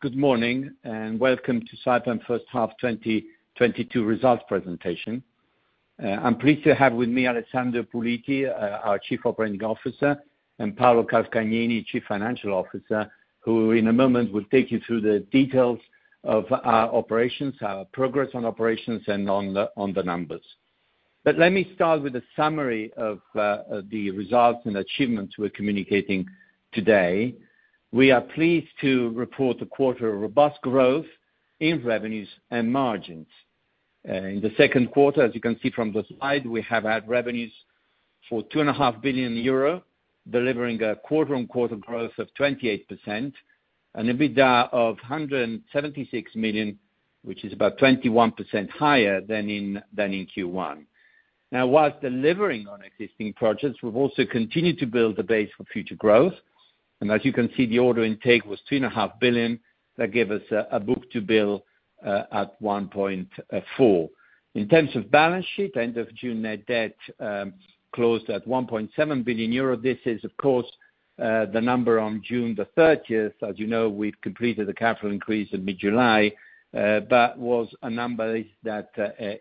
Good morning, and welcome to Saipem First Half 2022 Results presentation. I'm pleased to have with me Alessandro Puliti, our Chief Operating Officer, and Paolo Calcagnini, Chief Financial Officer, who in a moment will take you through the details of our operations, our progress on operations and on the numbers. Let me start with a summary of the results and achievements we're communicating today. We are pleased to report a quarter of robust growth in revenues and margins. In the second quarter, as you can see from the slide, we have had revenues for 2.5 billion euro, delivering a quarter-on-quarter growth of 28%, an EBITDA of 176 million, which is about 21% higher than in Q1. Now, while delivering on existing projects, we've also continued to build the base for future growth. As you can see, the order intake was 2.5 billion. That gave us a book-to-bill at 1.4x. In terms of balance sheet, end of June net debt closed at 1.7 billion euro. This is, of course, the number on June 30th. As you know, we've completed the capital increase in mid-July, but that number is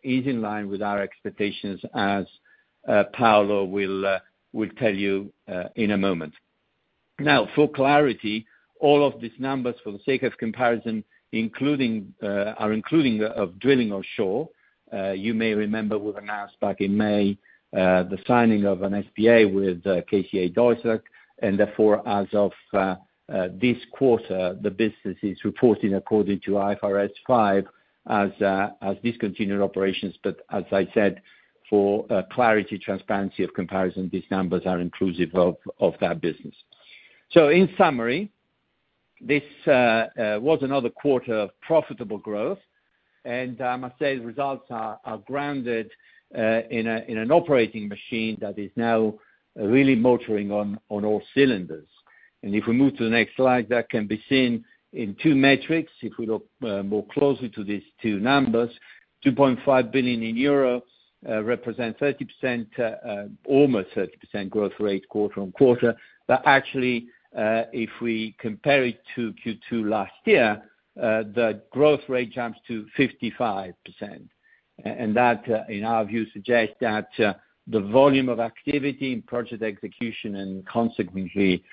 in line with our expectations, as Paolo will tell you in a moment. Now, for clarity, all of these numbers, for the sake of comparison, including drilling offshore. You may remember we announced back in May the signing of an SBA with KCA Deutag. Therefore, as of this quarter, the business is reporting according to IFRS 5 as discontinued operations. As I said, for clarity, transparency of comparison, these numbers are inclusive of that business. In summary, this was another quarter of profitable growth. I must say the results are grounded in an operating machine that is now really motoring on all cylinders. If we move to the next slide, that can be seen in two metrics. If we look more closely to these two numbers, 2.5 billion euro represents 30%, almost 30% growth rate quarter-on-quarter. Actually, if we compare it to Q2 last year, the growth rate jumps to 55%. That in our view suggests that the volume of activity in project execution and consequently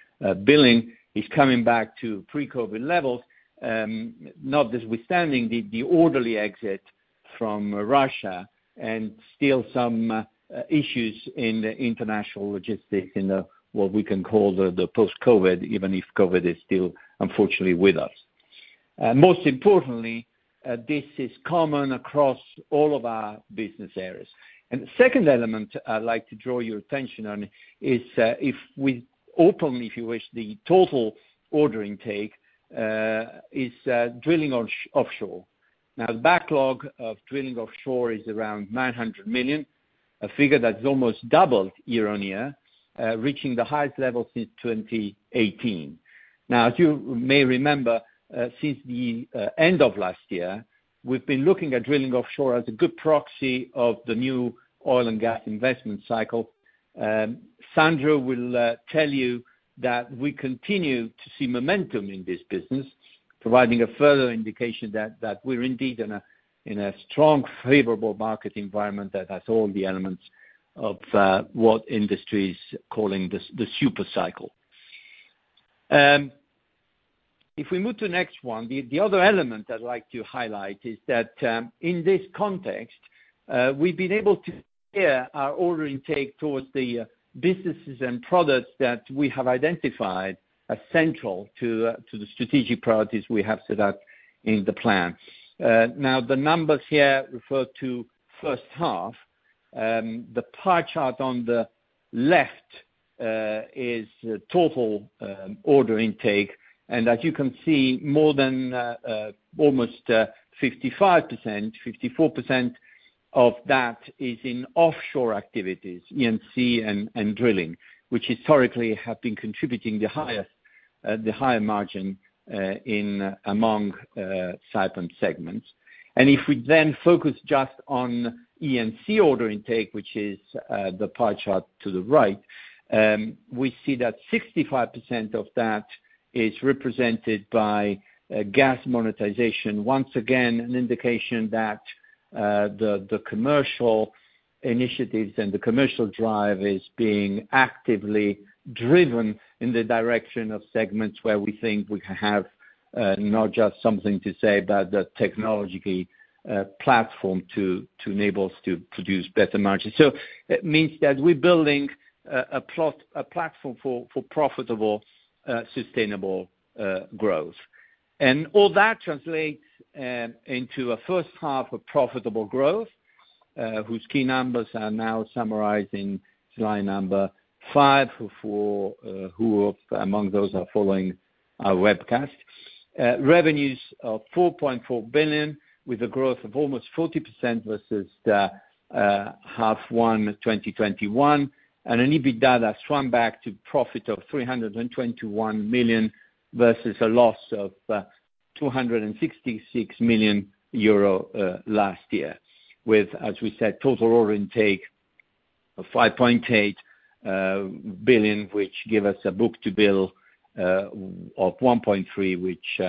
billing is coming back to pre-COVID levels, notwithstanding the orderly exit from Russia and still some issues in the international logistics in the what we can call the post-COVID, even if COVID is still, unfortunately, with us. Most importantly, this is common across all of our business areas. The second element I'd like to draw your attention on is, if we open, if you wish, the total order intake is drilling offshore. Now, the backlog of drilling offshore is around 900 million, a figure that's almost doubled year on year, reaching the highest level since 2018. Now, as you may remember, since the end of last year, we've been looking at drilling offshore as a good proxy of the new oil and gas investment cycle. Sandro will tell you that we continue to see momentum in this business, providing a further indication that we're indeed in a strong, favorable market environment that has all the elements of what industry is calling the super cycle. If we move to the next one, the other element I'd like to highlight is that, in this context, we've been able to gear our order intake towards the businesses and products that we have identified as central to the strategic priorities we have set out in the plan. Now, the numbers here refer to first half. The pie chart on the left is the total order intake. As you can see, more than almost 55%, 54% of that is in offshore activities, E&C and drilling, which historically have been contributing the higher margin among Saipem segments. If we then focus just on E&C order intake, which is the pie chart to the right, we see that 65% of that is represented by gas monetization. Once again, an indication that the commercial initiatives and the commercial drive is being actively driven in the direction of segments where we think we have not just something to say, but the technological platform to enable us to produce better margins. It means that we're building a platform for profitable sustainable growth. All that translates into a first half of profitable growth whose key numbers are now summarizing slide number five for, for who are following our webcast. Revenues of 4.4 billion, with a growth of almost 40% versus the first half 2021. An EBITDA swung back to profit of 321 million versus a loss of 266 million euro last year. With, as we said, total order intake of 5.8 billion, which give us a book-to-bill of 1.3x, which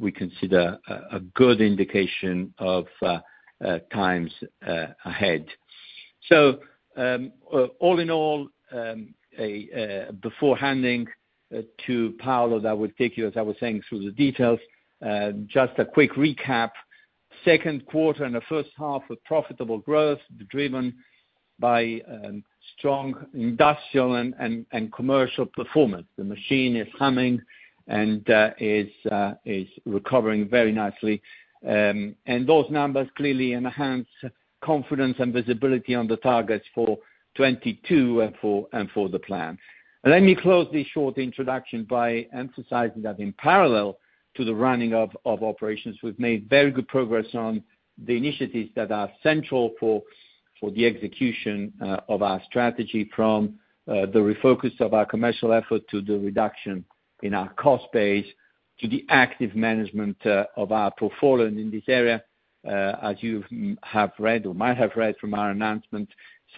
we consider a good indication of times ahead. All in all, before handing to Paolo that would take you, as I was saying, through the details, just a quick recap. Second quarter and the first half with profitable growth driven by strong industrial and commercial performance. The machine is humming and is recovering very nicely. And those numbers clearly enhance confidence and visibility on the targets for 2022 and for the plan. Let me close this short introduction by emphasizing that in parallel to the running of operations, we've made very good progress on the initiatives that are central for the execution of our strategy from the refocus of our commercial effort to the reduction in our cost base to the active management of our portfolio in this area. As you have read or might have read from our announcement,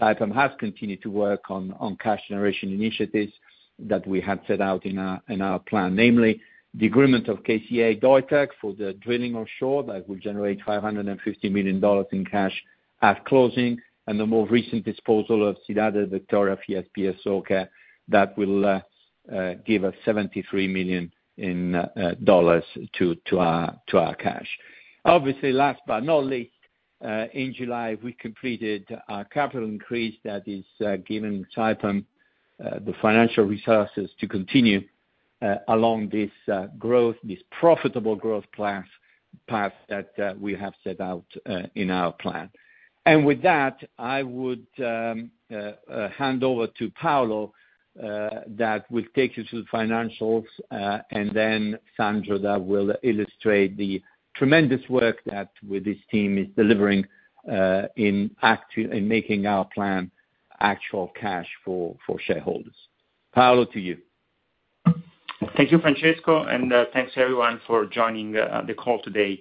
Saipem has continued to work on cash generation initiatives that we had set out in our plan. Namely the agreement with KCA Deutag for the drilling offshore that will generate $550 million in cash at closing, and the more recent disposal of Cidade de Vitória FPSO that will give us $73 million in dollars to our cash. Obviously, last but not least, in July, we completed a capital increase that has given Saipem the financial resources to continue along this growth, this profitable growth path that we have set out in our plan. I would hand over to Paolo that will take you through the financials, and then Sandro that will illustrate the tremendous work that with his team is delivering in making our plan actual cash for shareholders. Paolo, to you. Thank you, Francesco, and thanks everyone for joining the call today.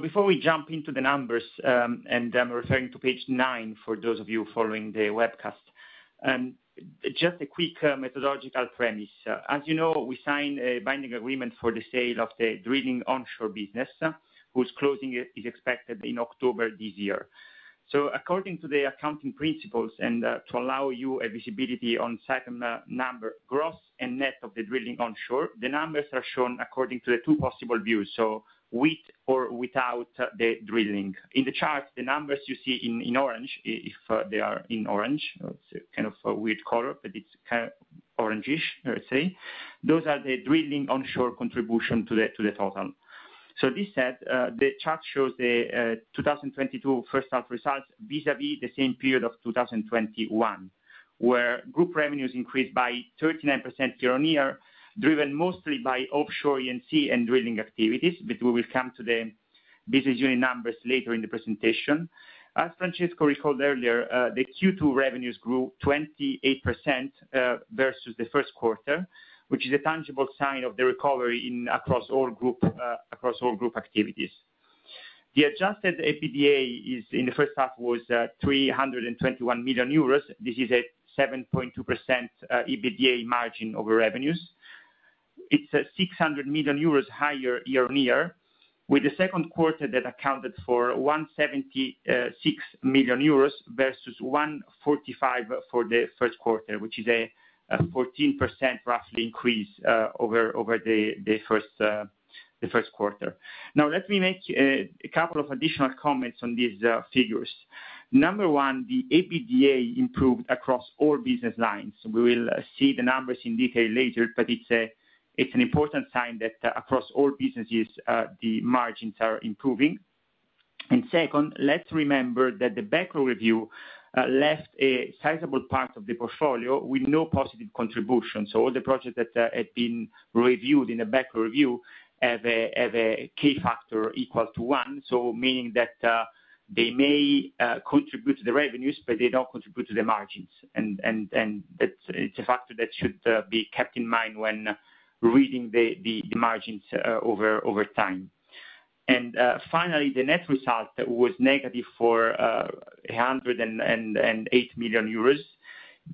Before we jump into the numbers, and I'm referring to page nine for those of you following the webcast. Just a quick methodological premise. As you know, we signed a binding agreement for the sale of the drilling onshore business, whose closing is expected in October this year. According to the accounting principles and to allow you a visibility on Saipem number gross and net of the drilling onshore, the numbers are shown according to the two possible views, so with or without the drilling. In the chart, the numbers you see in orange, if they are in orange, it's kind of a weird color, but it's kind of orangish, let's say. Those are the drilling onshore contribution to the total. This said, the chart shows the 2022 first half results vis-à-vis the same period of 2021, where group revenues increased by 39% year-on-year, driven mostly by offshore E&C and drilling activities. We will come to the business unit numbers later in the presentation. As Francesco recalled earlier, the Q2 revenues grew 28% versus the first quarter, which is a tangible sign of the recovery across all group activities. The adjusted EBITDA in the first half was 321 million euros. This is a 7.2% EBITDA margin over revenues. It's 600 million euros higher year-on-year, with the second quarter that accounted for 176 million euros versus 145 million for the first quarter, which is a roughly 14% increase over the first quarter. Now let me make a couple of additional comments on these figures. Number one, the EBITDA improved across all business lines. We will see the numbers in detail later, but it's an important sign that across all businesses, the margins are improving. Second, let's remember that the backlog review left a sizable part of the portfolio with no positive contribution. All the projects that had been reviewed in the backlog review have a key factor equal to one. Meaning that they may contribute to the revenues, but they don't contribute to the margins. It's a factor that should be kept in mind when reading the margins over time. Finally, the net result was negative for 108 million euros.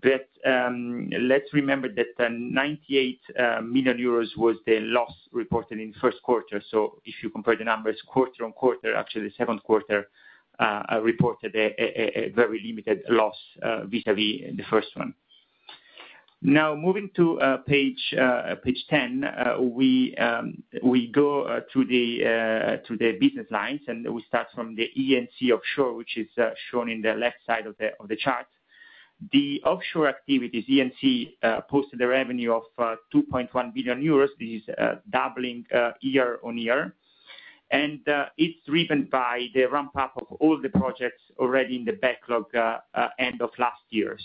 Let's remember that the 98 million euros was the loss reported in first quarter. If you compare the numbers quarter-on-quarter, actually the second quarter reported a very limited loss vis-a-vis the first one. Now moving to page ten, we go to the business lines, and we start from the E&C offshore, which is shown in the left side of the chart. The offshore activities, E&C, posted a revenue of 2.1 billion euros. This is doubling year-on-year. It's driven by the ramp up of all the projects already in the backlog end of last year.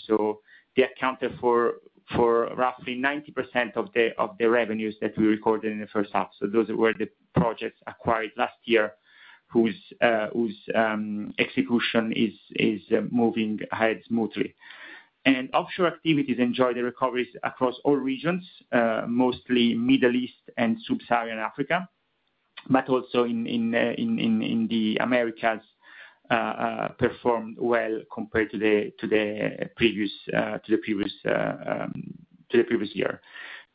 They accounted for roughly 90% of the revenues that we recorded in the first half. Those were the projects acquired last year whose execution is moving ahead smoothly. Offshore activities enjoy the recoveries across all regions, mostly Middle East and Sub-Saharan Africa. Also in the Americas performed well compared to the previous year.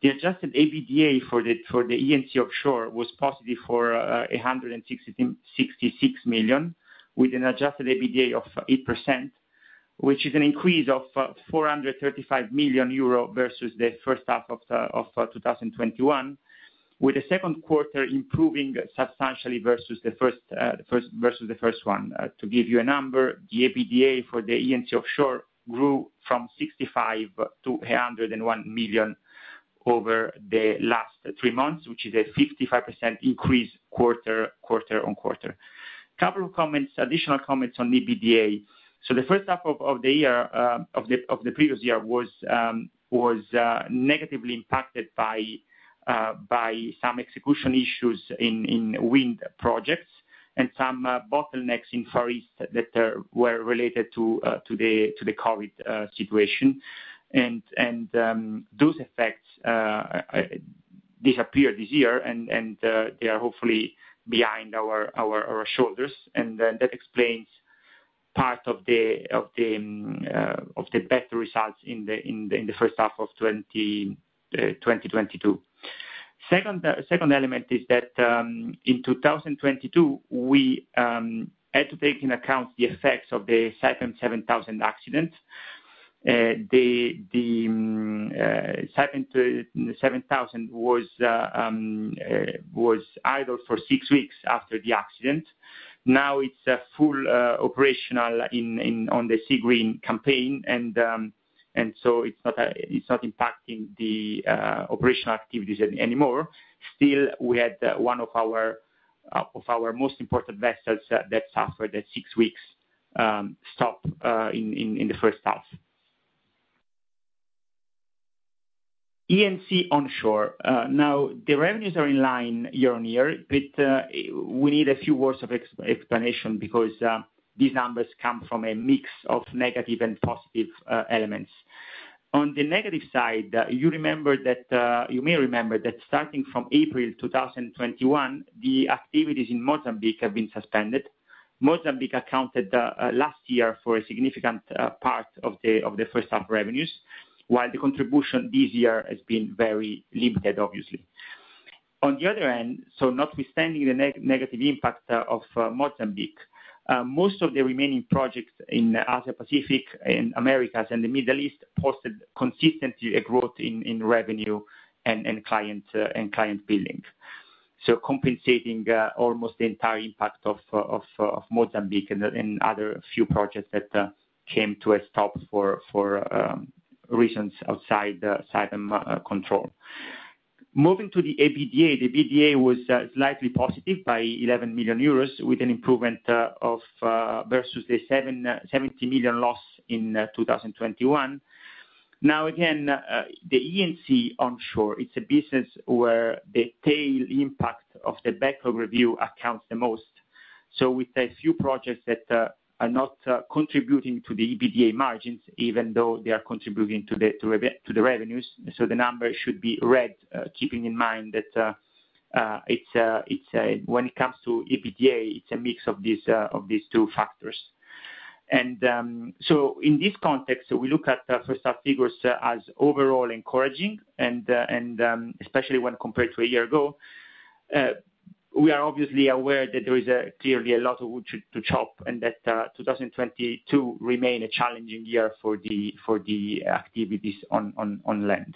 The adjusted EBITDA for the E&C offshore was positive 166 million, with an adjusted EBITDA of 8%, which is an increase of 435 million euro versus the first half of 2021, with the second quarter improving substantially versus the first one. To give you a number, the EBITDA for the E&C offshore grew from 65 to 101 million over the last three months, which is a 55% increase quarter on quarter. Couple of additional comments on the EBITDA. The first half of the year of the previous year was negatively impacted by some execution issues in wind projects and some bottlenecks in Far East that were related to the COVID situation. Those effects disappeared this year, and they are hopefully behind our shoulders, and that explains part of the better results in the first half of 2022. Second element is that, in 2022, we had to take into account the effects of the Saipem 7000 accident. The Saipem 7000 was idled for six weeks after the accident. Now it's fully operational in on the Seagreen campaign, and so it's not impacting the operational activities anymore. Still, we had one of our most important vessels that suffered a six weeks stop in the first half. E&C onshore. Now the revenues are in line year-on-year, but we need a few words of explanation because these numbers come from a mix of negative and positive elements. On the negative side, you may remember that starting from April 2021, the activities in Mozambique have been suspended. Mozambique accounted last year for a significant part of the first half revenues, while the contribution this year has been very limited, obviously. On the other end, notwithstanding the negative impact of Mozambique, most of the remaining projects in Asia Pacific and Americas and the Middle East posted consistently a growth in revenue and client billing. Compensating almost the entire impact of Mozambique and other few projects that came to a stop for reasons outside the Saipem control. Moving to the EBITDA. The EBITDA was slightly positive by 11 million euros, with an improvement versus the 70 million loss in 2021. Now, again, the E&C onshore, it's a business where the tail impact of the backlog review accounts the most. With a few projects that are not contributing to the EBITDA margins, even though they are contributing to the revenues, the numbers should be read keeping in mind that when it comes to EBITDA, it's a mix of these two factors. In this context, we look at the first half figures as overall encouraging and especially when compared to a year ago. We are obviously aware that there is clearly a lot of wood to chop and that 2022 remains a challenging year for the activities on land.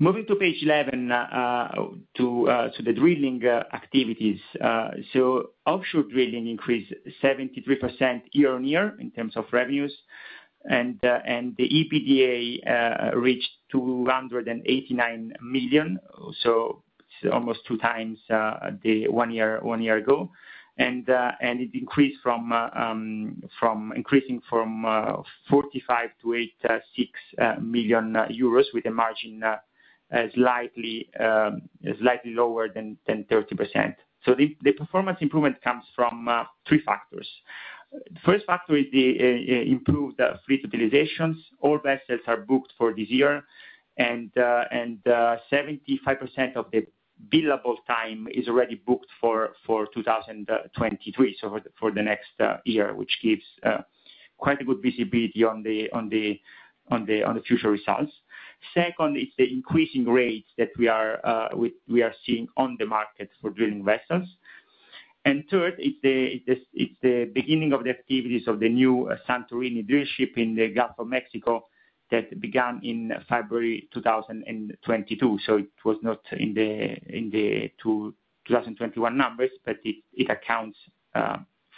Moving to page 11, the drilling activities. Offshore drilling increased 73% year-on-year in terms of revenues. EBITDA reached 289 million, so almost two times the one year ago. It increased from 45 to 86 million euros with a margin slightly lower than 30%. The performance improvement comes from three factors. First factor is improved fleet utilizations. All vessels are booked for this year and 75% of the billable time is already booked for 2023, so for the next year, which gives quite a good visibility on the future results. Second is the increasing rates that we are seeing on the market for drilling vessels. It's the beginning of the activities of the new Santorini drillship in the Gulf of Mexico that began in February 2022. So it was not in the 2021 numbers, but it accounts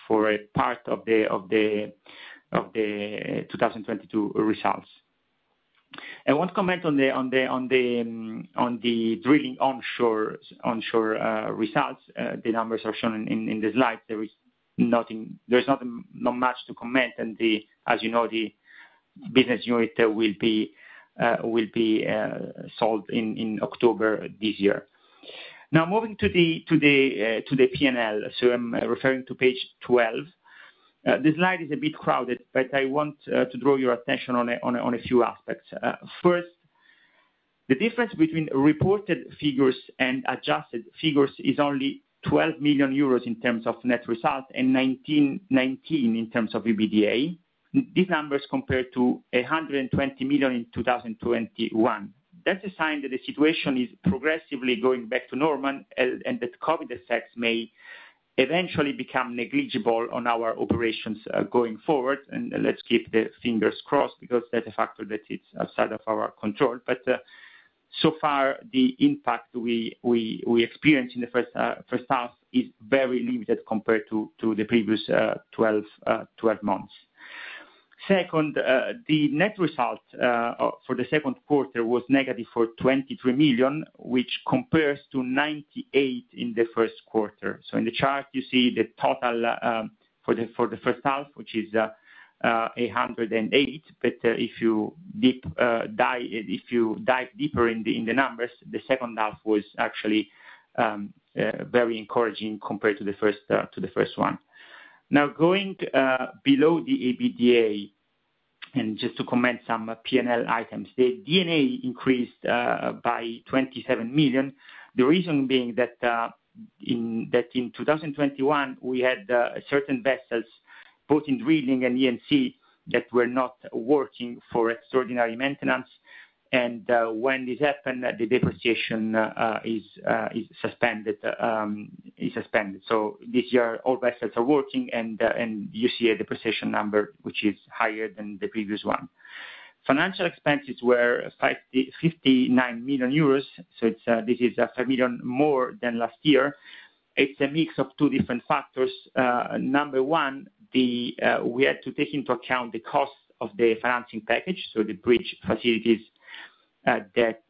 for a part of the 2022 results. I won't comment on the drilling onshore results. The numbers are shown in the slide. There's nothing much to comment. As you know, the business unit will be sold in October this year. Now moving to the P&L, so I'm referring to page 12. The slide is a bit crowded, but I want to draw your attention on a few aspects. First, the difference between reported figures and adjusted figures is only 12 million euros in terms of net results and 19 million in terms of EBITDA. These numbers compare to 120 million in 2021. That's a sign that the situation is progressively going back to normal and that COVID effects may eventually become negligible on our operations, going forward. Let's keep the fingers crossed because that's a factor that is outside of our control. So far, the impact we experienced in the first half is very limited compared to the previous 12 months. Second, the net result for the second quarter was negative for 23 million, which compares to 98 million in the first quarter. In the chart, you see the total for the first half, which is 108 million. If you dive deeper in the numbers, the second half was actually very encouraging compared to the first one. Now going below the EBITDA and just to comment some P&L items. The D&A increased by 27 million, the reason being that in 2021 we had certain vessels both in drilling and E&C that were not working for extraordinary maintenance. When this happened, the depreciation is suspended. This year, all vessels are working and you see a depreciation number which is higher than the previous one. Financial expenses were 59 million euros. It's this is 1 million more than last year. It's a mix of two different factors. Number one, we had to take into account the cost of the financing package, the bridge facilities that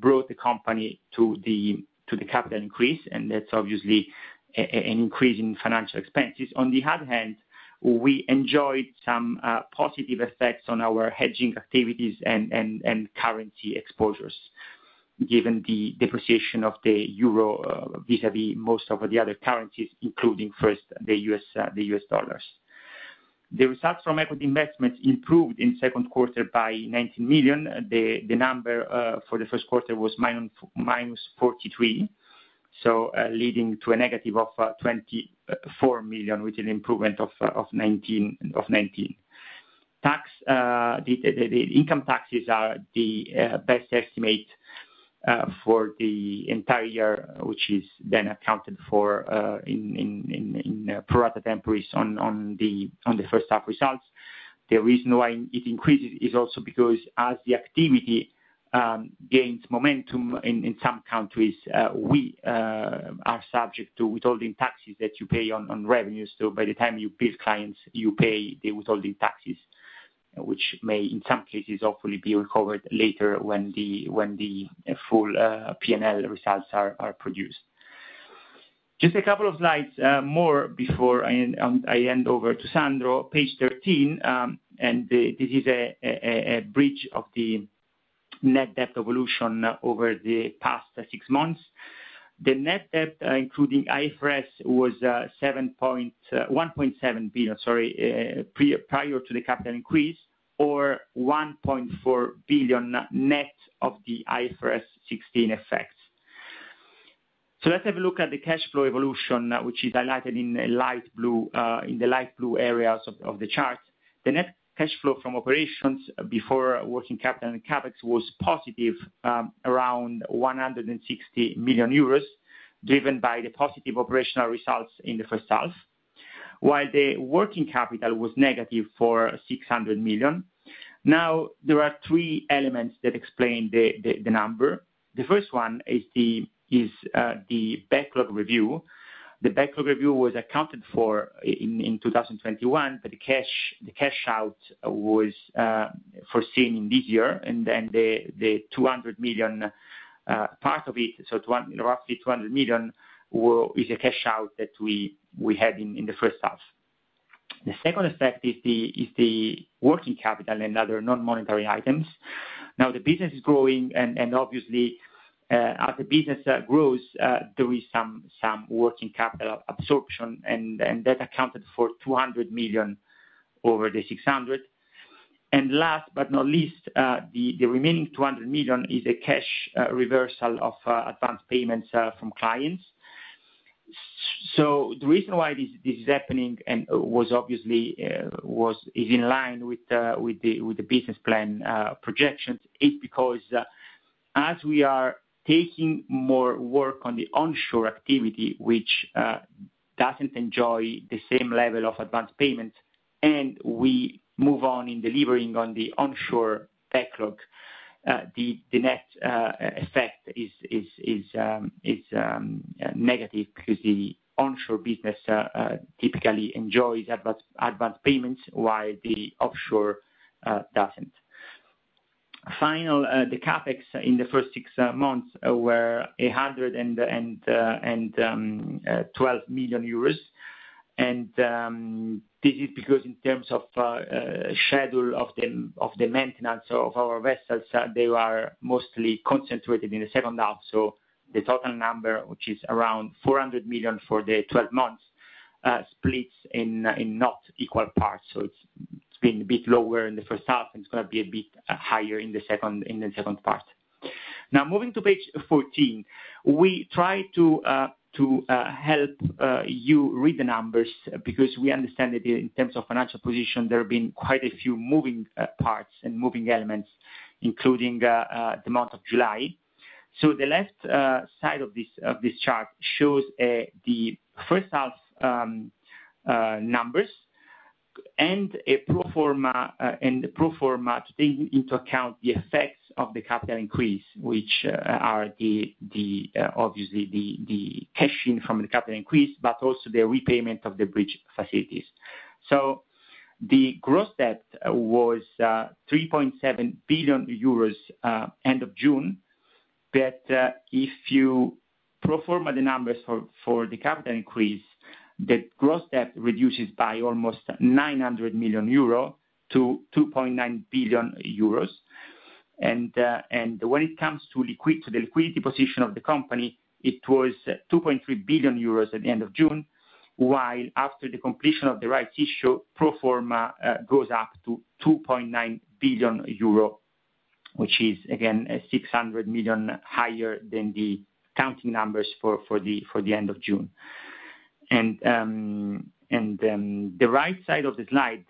brought the company to the capital increase, and that's obviously an increase in financial expenses. On the other hand, we enjoyed some positive effects on our hedging activities and currency exposures, given the depreciation of the euro vis-à-vis most of the other currencies, including first the U.S. dollars. The results from equity investments improved in second quarter by 19 million. The number for the first quarter was -43, so leading to a negative of 24 million, which is an improvement of 19 million. The income taxes are the best estimate for the entire year, which is then accounted for pro rata temporis on the first half results. The reason why it increases is also because as the activity gains momentum in some countries, we are subject to withholding taxes that you pay on revenues. By the time you bill clients, you pay the withholding taxes, which may, in some cases, hopefully be recovered later when the full P&L results are produced. Just a couple of slides more before I hand over to Sandro. Page 13, this is a bridge of the net debt evolution over the past six months. The net debt, including IFRS, was seven point, 1.7 billion, sorry, prior to the capital increase, or 1.4 billion net of the IFRS 16 effects. Let's have a look at the cash flow evolution, which is highlighted in a light blue, in the light blue areas of the chart. The net cash flow from operations before working capital and CapEx was positive, around 160 million euros, driven by the positive operational results in the first half. While the working capital was negative for 600 million. Now, there are three elements that explain the number. The first one is the backlog review. The backlog review was accounted for in 2021, but the cash out was foreseen in this year. Then the 200 million part of it, so roughly 200 million is a cash out that we had in the first half. The second effect is the working capital and other non-monetary items. Now the business is growing and obviously as the business grows there is some working capital absorption and that accounted for 200 million over the 600. Last but not least the remaining 200 million is a cash reversal of advanced payments from clients. The reason why this is happening is in line with the business plan projections, is because as we are taking more work on the onshore activity, which doesn't enjoy the same level of advanced payments, and we move on in delivering on the onshore backlog, the net effect is negative because the onshore business typically enjoys advanced payments while the offshore doesn't. Finally, the CapEx in the first six months were 112 million euros. This is because in terms of schedule of the maintenance of our vessels, they are mostly concentrated in the second half. The total number, which is around 400 million for the 12 months, splits in not equal parts. It's been a bit lower in the first half, and it's gonna be a bit higher in the second part. Now moving to page 14. We try to help you read the numbers because we understand that in terms of financial position, there have been quite a few moving parts and moving elements, including the month of July. The left side of this chart shows the first half numbers and a pro forma, and the pro forma taking into account the effects of the capital increase, which are obviously the cash-in from the capital increase, but also the repayment of the bridge facilities. The gross debt was 3.7 billion euros end of June, that if you pro forma the numbers for the capital increase, the gross debt reduces by almost 900 million euro to 2.9 billion euros. When it comes to the liquidity position of the company, it was 2.3 billion euros at the end of June, while after the completion of the rights issue, pro forma, goes up to 2.9 billion euro, which is again 600 million higher than the current numbers for the end of June. The right side of the slide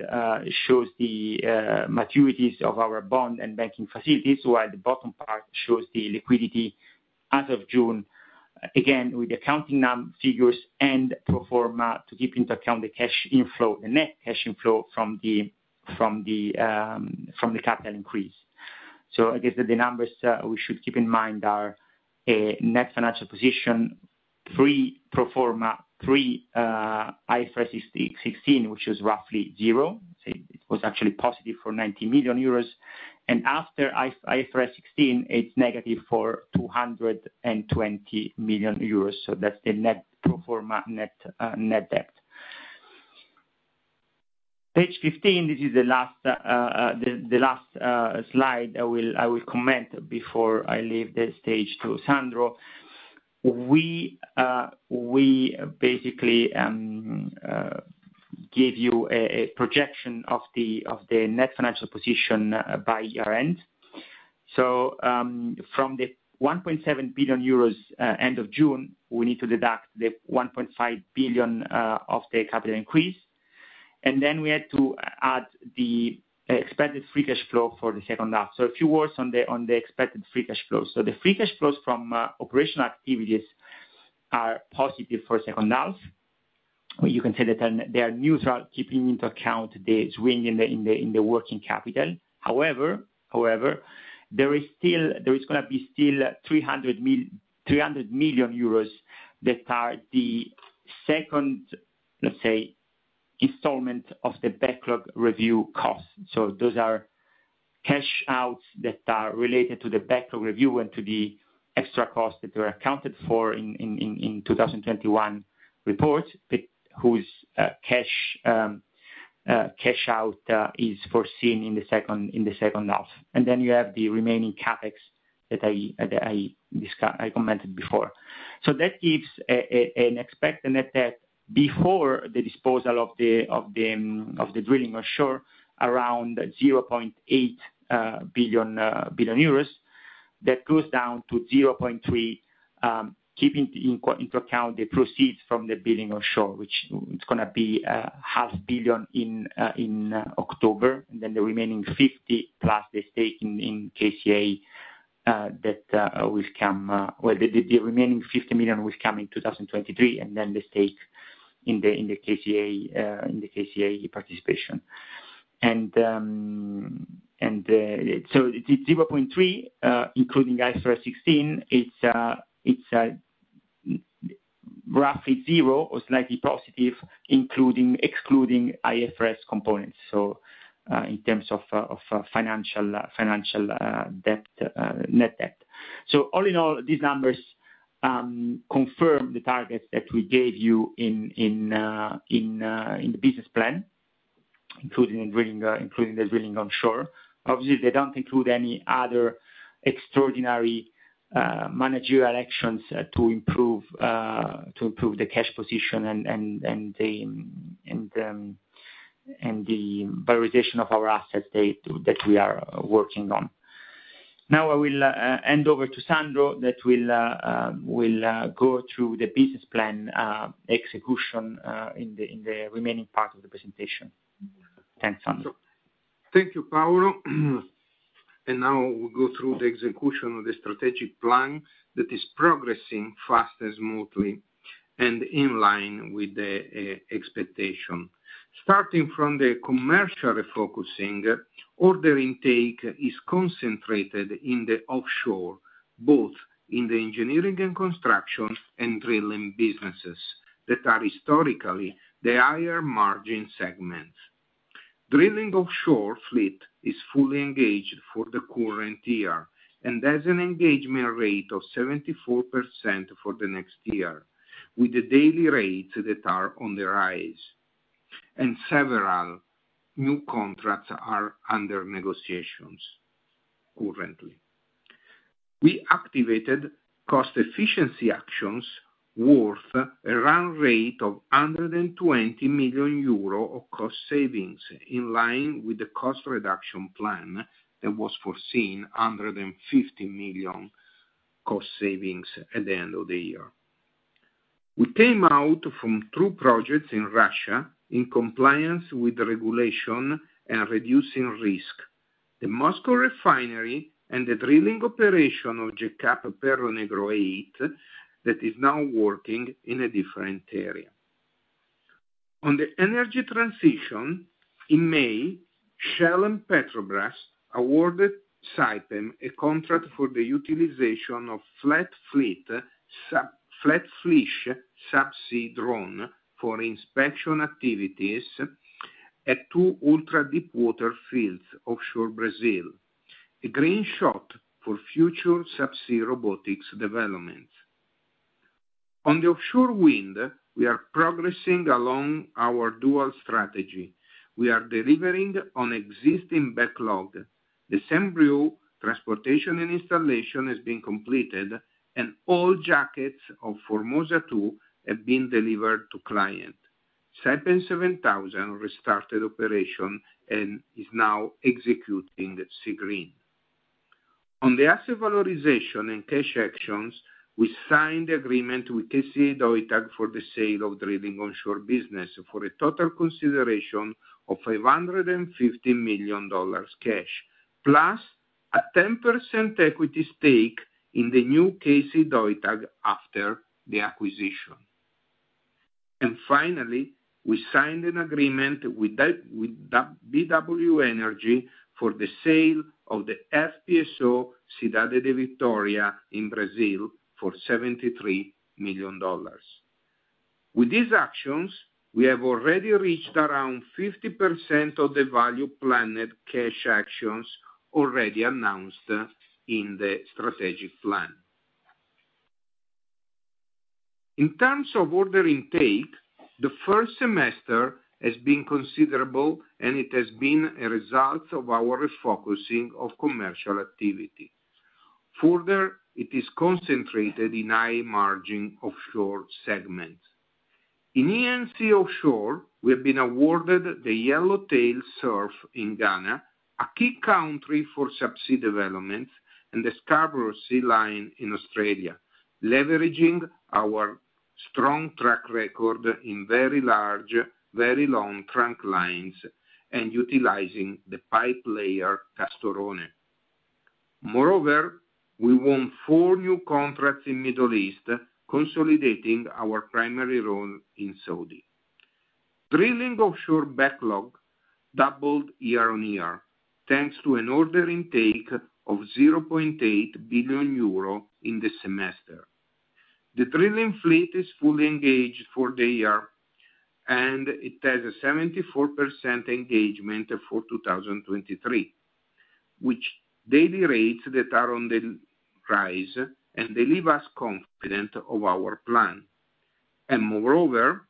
shows the maturities of our bond and banking facilities, while the bottom part shows the liquidity as of June, again with the accounting figures and pro forma to take into account the net cash inflow from the capital increase. I guess that the numbers we should keep in mind are net financial position pro forma pre-IFRS 16, which is roughly zero. It was actually positive for 90 million euros. After IFRS 16, it's negative for 220 million euros. That's the net pro forma debt. Page 15, this is the last slide I will comment before I leave the stage to Sandro. We basically give you a projection of the net financial position by year-end. From the 1.7 billion euros end of June, we need to deduct the 1.5 billion of the capital increase. Then we had to add the expected free cash flow for the second half. A few words on the expected free cash flow. The free cash flows from operational activities are positive for second half. You can say that they are neutral, taking into account the swing in the working capital. However, there is still gonna be 300 million euros that are the second, let's say, installment of the backlog review cost. Those are cash outs that are related to the backlog review and to the extra cost that were accounted for in 2021 report, but whose cash out is foreseen in the second half. You have the remaining CapEx that I commented before. That gives an expected net debt before the disposal of the drilling onshore around 0.8 billion. That goes down to 0.3 billion, taking into account the proceeds from the drilling onshore, which it's gonna be 500 million in October. Then the remaining 50+ the stake in KCA that will come, well, the remaining 50 million will come in 2023, and then the stake in the KCA participation. The EUR 0.3 billion including IFRS 16, it's roughly zero or slightly positive, including, excluding IFRS components. In terms of financial net debt. All in all, these numbers confirm the targets that we gave you in the business plan, including drilling, including the drilling onshore. Obviously, they don't include any other extraordinary managerial actions to improve the cash position and the valuation of our assets that we are working on. Now I will hand over to Sandro that will go through the business plan execution in the remaining part of the presentation. Thanks, Sandro. Thank you, Paolo. Now we go through the execution of the strategic plan that is progressing fast and smoothly and in line with the expectation. Starting from the commercial refocusing, order intake is concentrated in the offshore, both in the engineering and construction and drilling businesses that are historically the higher margin segments. Drilling offshore fleet is fully engaged for the current year and has an engagement rate of 74% for the next year, with the daily rates that are on the rise. Several new contracts are under negotiations currently. We activated cost efficiency actions worth a run rate of 120 million euro of cost savings, in line with the cost reduction plan that was foreseen 150 million cost savings at the end of the year. We came out from two projects in Russia in compliance with the regulation and reducing risk. The Moscow refinery and the drilling operation of jack up Perro Negro 8 that is now working in a different area. On the energy transition, in May, Shell and Petrobras awarded Saipem a contract for the utilization of FlatFish subsea drone for inspection activities at two ultra-deepwater fields offshore Brazil. A green shoot for future subsea robotics developments. On the offshore wind, we are progressing along our dual strategy. We are delivering on existing backlog. The Assemble transportation and installation has been completed, and all jackets of Formosa 2 have been delivered to client. Saipem 7000 restarted operation and is now executing the Seagreen. On the asset valorization and cash actions, we signed the agreement with KCA Deutag for the sale of drilling onshore business for a total consideration of $550 million cash, plus a 10% equity stake in the new KCA Deutag after the acquisition. Finally, we signed an agreement with BW Energy for the sale of the FPSO Cidade de Vitória in Brazil for $73 million. With these actions, we have already reached around 50% of the value planned cash actions already announced in the strategic plan. In terms of order intake, the first semester has been considerable, and it has been a result of our refocusing of commercial activity. Further, it is concentrated in high margin offshore segments. In E&C Offshore, we have been awarded the Yellowtail SURF in Ghana, a key country for sub-sea development, and the Scarborough Sealine in Australia, leveraging our strong track record in very large, very long trunk lines and utilizing the pipe layer Castorone. Moreover, we won four new contracts in Middle East, consolidating our primary role in Saudi. Drilling offshore backlog doubled year on year, thanks to an order intake of 0.8 billion euro in the semester. The drilling fleet is fully engaged for the year, and it has a 74% engagement for 2023, which daily rates that are on the rise, and they leave us confident of our plan. Moreover,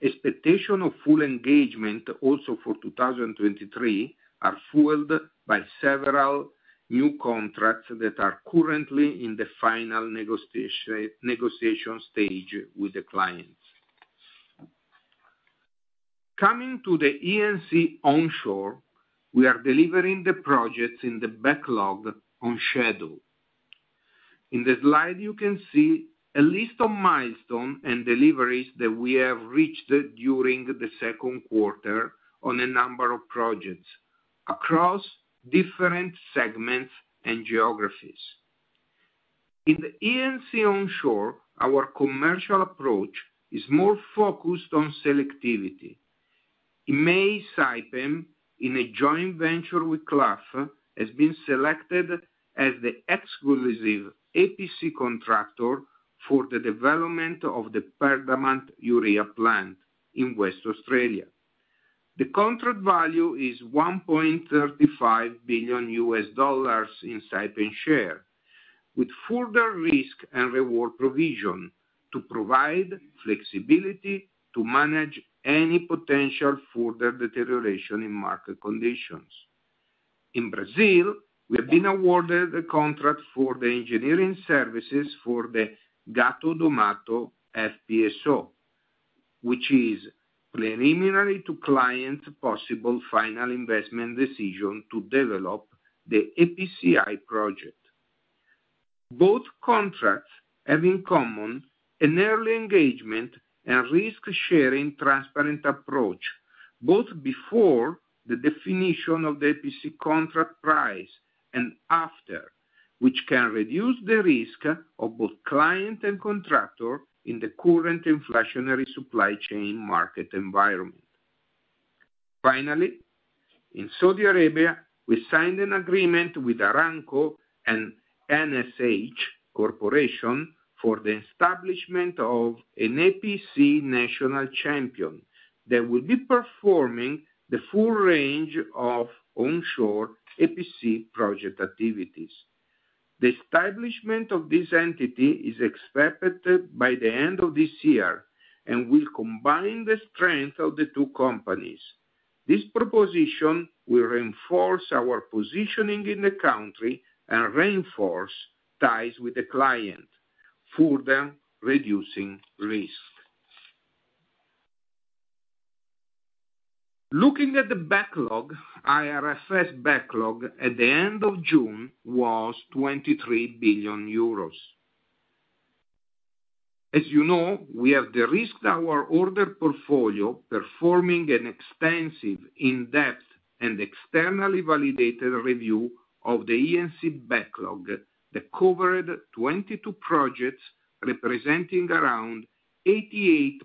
expectation of full engagement also for 2023 are fueled by several new contracts that are currently in the final negotiation stage with the clients. Coming to the E&C onshore, we are delivering the projects in the backlog on schedule. In the slide, you can see a list of milestones and deliveries that we have reached during the second quarter on a number of projects across different segments and geographies. In the E&C onshore, our commercial approach is more focused on selectivity. In May, Saipem, in a joint venture with Clough, has been selected as the exclusive APC contractor for the development of the Perdaman Urea plant in Western Australia. The contract value is $1.35 billion in Saipem share, with further risk and reward provision to provide flexibility to manage any potential further deterioration in market conditions. In Brazil, we have been awarded a contract for the engineering services for the Gato do Mato FPSO, which is preliminary to client possible final investment decision to develop the EPCI project. Both contracts have in common an early engagement and risk sharing transparent approach, both before the definition of the EPC contract price and after, which can reduce the risk of both client and contractor in the current inflationary supply chain market environment. Finally, in Saudi Arabia, we signed an agreement with Aramco and NSH Corporation for the establishment of an EPC national champion that will be performing the full range of onshore EPC project activities. The establishment of this entity is expected by the end of this year and will combine the strength of the two companies. This proposition will reinforce our positioning in the country and reinforce ties with the client, further reducing risk. Looking at the backlog, IFRS backlog at the end of June was 23 billion euros. As you know, we have de-risked our order portfolio, performing an extensive in-depth and externally validated review of the E&C backlog that covered 22 projects, representing around 88%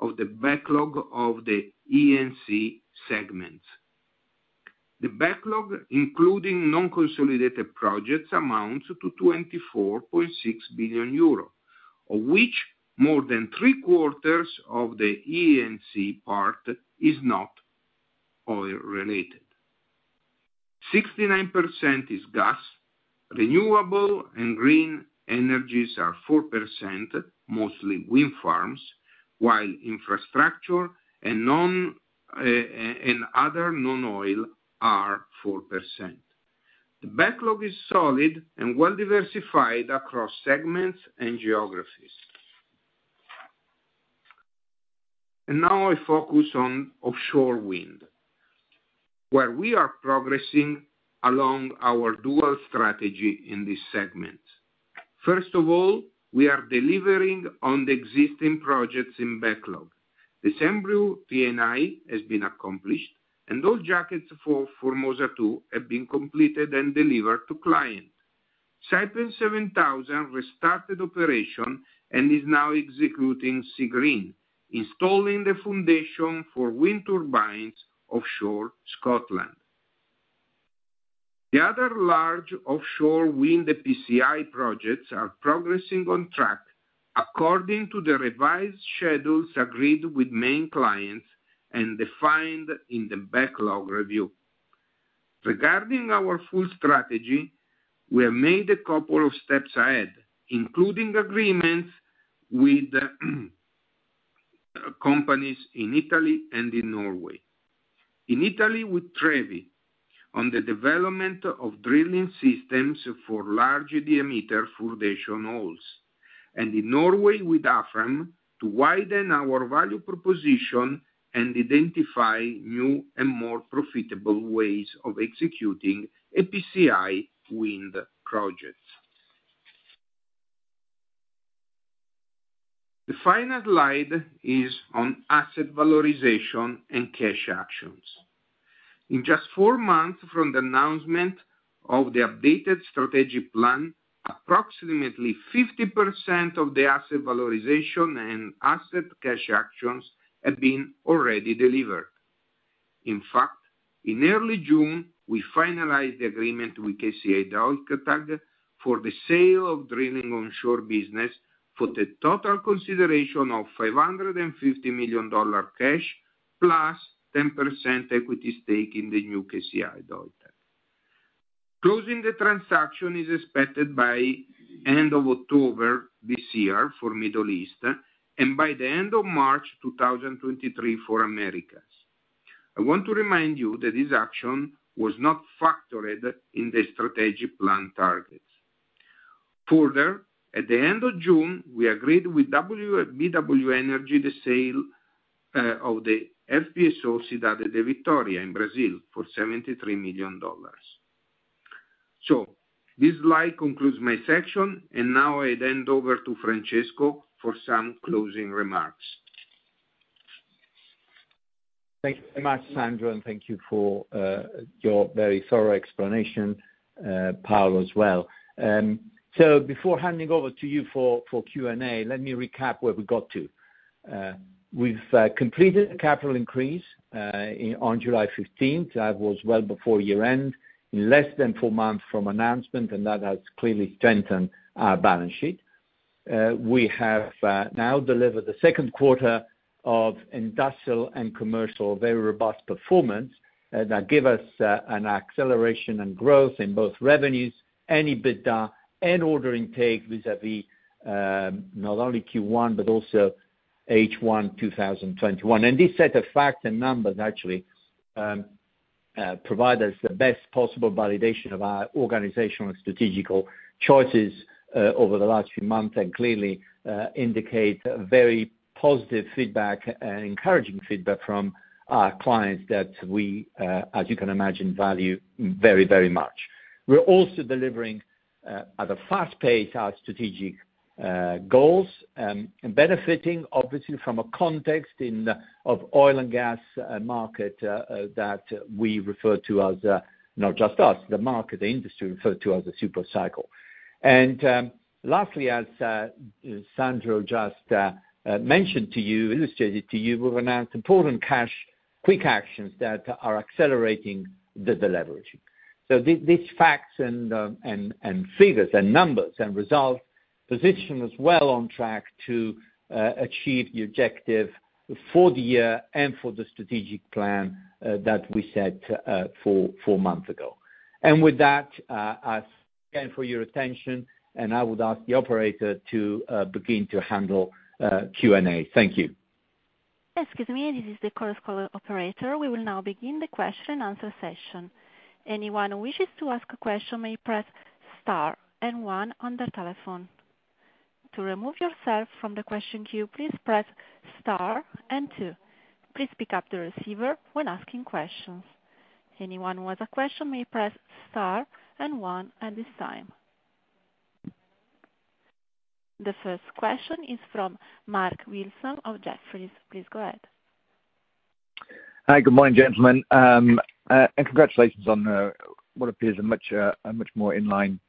of the backlog of the E&C segments. The backlog, including non-consolidated projects, amounts to 24.6 billion euro, of which more than three-quarters of the E&C part is not oil related. 69% is gas, renewable and green energies are 4%, mostly wind farms, while infrastructure and other non-oil are 4%. The backlog is solid and well diversified across segments and geographies. Now I focus on offshore wind, where we are progressing along our dual strategy in this segment. First of all, we are delivering on the existing projects in backlog. The Assemble T&I has been accomplished, and all jackets for Formosa 2 have been completed and delivered to client. Saipem 7000 restarted operation and is now executing Seagreen, installing the foundation for wind turbines offshore Scotland. The other large offshore wind EPCI projects are progressing on track according to the revised schedules agreed with main clients and defined in the backlog review. Regarding our full strategy, we have made a couple of steps ahead, including agreements with companies in Italy and in Norway. In Italy with Trevi on the development of drilling systems for large diameter foundation holes, and in Norway with Aker to widen our value proposition and identify new and more profitable ways of executing EPCI wind projects. The final slide is on asset valorization and cash actions. In just four months from the announcement of the updated strategic plan, approximately 50% of the asset valorization and asset cash actions have been already delivered. In fact, in early June, we finalized the agreement with KCA Deutag for the sale of drilling onshore business for the total consideration of $550 million cash plus 10% equity stake in the new KCA Deutag. Closing the transaction is expected by end of October this year for Middle East, and by the end of March 2023 for Americas. I want to remind you that this action was not factored in the strategic plan targets. Further, at the end of June, we agreed with BW Energy the sale of the FPSO Cidade de Vitória in Brazil for $73 million. This slide concludes my section, and now I hand over to Francesco for some closing remarks. Thank you very much, Sandro, and thank you for your very thorough explanation, Paolo as well. Before handing over to you for Q&A, let me recap where we got to. We've completed the capital increase on July 15th. That was well before year-end, in less than four months from announcement, and that has clearly strengthened our balance sheet. We have now delivered the second quarter of industrial and commercial very robust performance that gives us an acceleration and growth in both revenues and EBITDA and order intake vis-à-vis not only Q1, but also H1 2021. This set of facts and numbers actually provide us the best possible validation of our organizational and strategic choices over the last few months, and clearly indicate very positive feedback and encouraging feedback from our clients that we, as you can imagine, value very, very much. We're also delivering at a fast pace our strategic goals, and benefiting obviously from a context of oil and gas market that we refer to as, not just us, the market, the industry refer to as a super cycle. Lastly, as Sandro just mentioned to you, illustrated to you, we've announced important cash quick actions that are accelerating the deleveraging. These facts and figures and numbers and results position us well on track to achieve the objective for the year and for the strategic plan that we set four months ago. With that, I ask again for your attention, and I would ask the operator to begin to handle Q&A. Thank you. Excuse me, this is the conference call operator. We will now begin the question answer session. Anyone who wishes to ask a question may press star and one on their telephone. To remove yourself from the question queue, please press star and two. Please pick up the receiver when asking questions. Anyone who has a question may press star and one at this time. The first question is from Mark Wilson of Jefferies. Please go ahead. Hi. Good morning, gentlemen. Congratulations on what appears a much more in line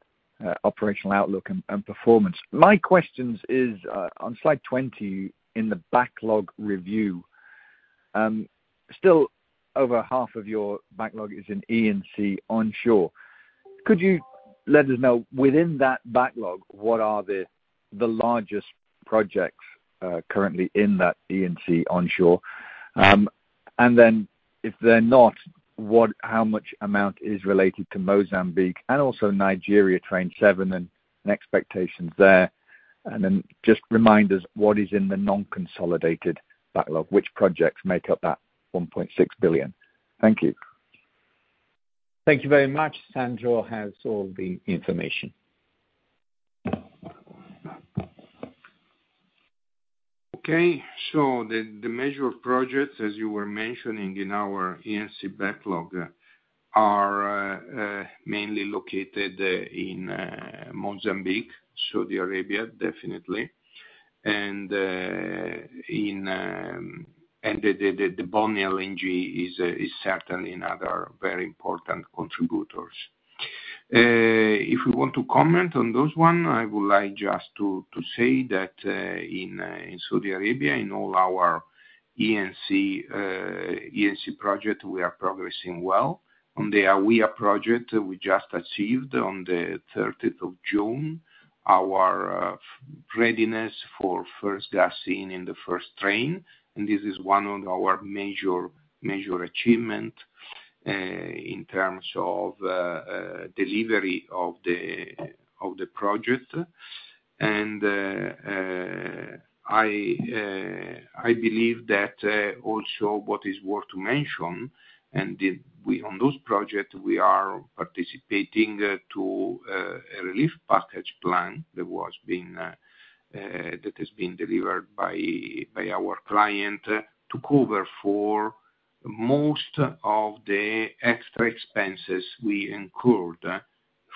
operational outlook and performance. My question is on slide 20 in the backlog review. Still over half of your backlog is in E&C onshore. Could you let us know within that backlog, what are the largest projects currently in that E&C onshore? If they're not, how much amount is related to Mozambique and also Nigeria Train 7 and expectations there? Just remind us what is in the non-consolidated backlog, which projects make up that 1.6 billion? Thank you. Thank you very much. Sandro has all the information. Okay. The measure of projects, as you were mentioning in our E&C backlog, are mainly located in Mozambique, Saudi Arabia, definitely. In and the Bonny LNG is certainly another very important contributors. If you want to comment on those one, I would like just to say that in Saudi Arabia, in all our E&C project, we are progressing well. On the Hawiyah project, we just achieved on the 13th of June our readiness for first gas in the first train. This is one of our major achievement in terms of delivery of the project. I believe that also what is worth to mention. We, on those projects, are participating to a relief package plan that is being delivered by our client to cover for most of the extra expenses we incurred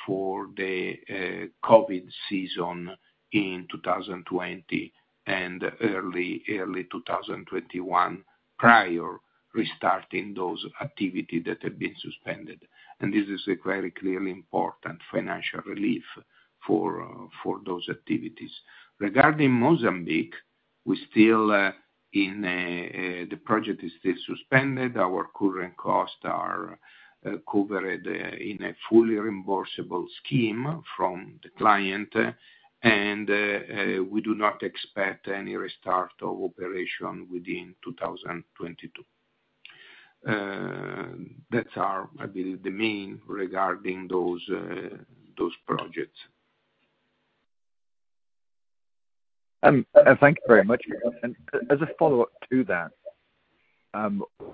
for the COVID season in 2020 and early 2021, prior restarting those activity that had been suspended. This is a very clearly important financial relief for those activities. Regarding Mozambique, the project is still suspended. Our current costs are covered in a fully reimbursable scheme from the client. We do not expect any restart of operation within 2022. That's our, I believe, the main regarding those projects. Thank you very much. As a follow-up to that,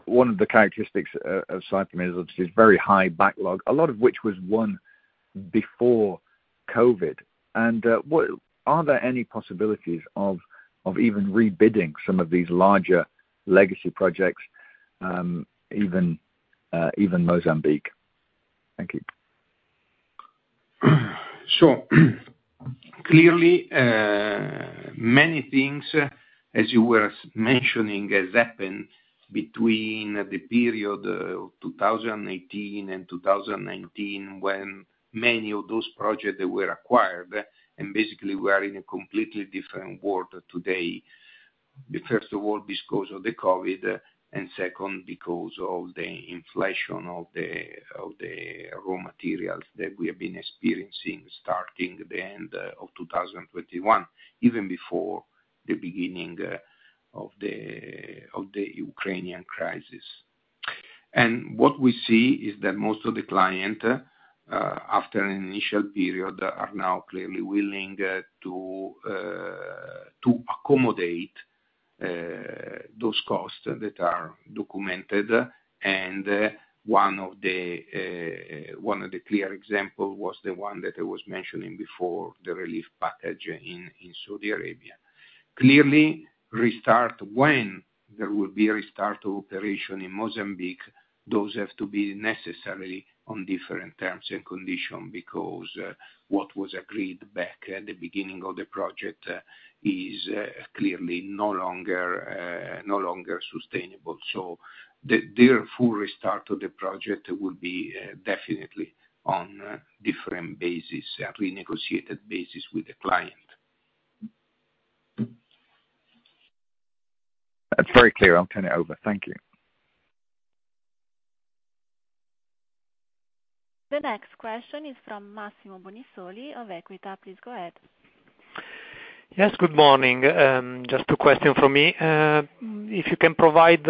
one of the characteristics of Saipem is obviously its very high backlog, a lot of which was one before COVID. Are there any possibilities of even rebidding some of these larger legacy projects, even Mozambique? Thank you. Clearly, many things, as you were mentioning, has happened between the period of 2018 and 2019, when many of those projects were acquired, and basically we are in a completely different world today. First of all, because of the COVID, and second, because of the inflation of the raw materials that we have been experiencing starting the end of 2021, even before the beginning of the Ukrainian crisis. What we see is that most of the clients, after an initial period, are now clearly willing to accommodate those costs that are documented. One of the clear example was the one that I was mentioning before, the relief package in Saudi Arabia. Clearly, restart when there will be a restart operation in Mozambique, those have to be necessarily on different terms and conditions because what was agreed back at the beginning of the project is clearly no longer sustainable. The full restart of the project will be definitely on a different basis, a renegotiated basis with the client. That's very clear. I'll turn it over. Thank you. The next question is from Massimo Bonisoli of Equita. Please go ahead. Yes, good morning. Just two questions from me. If you can provide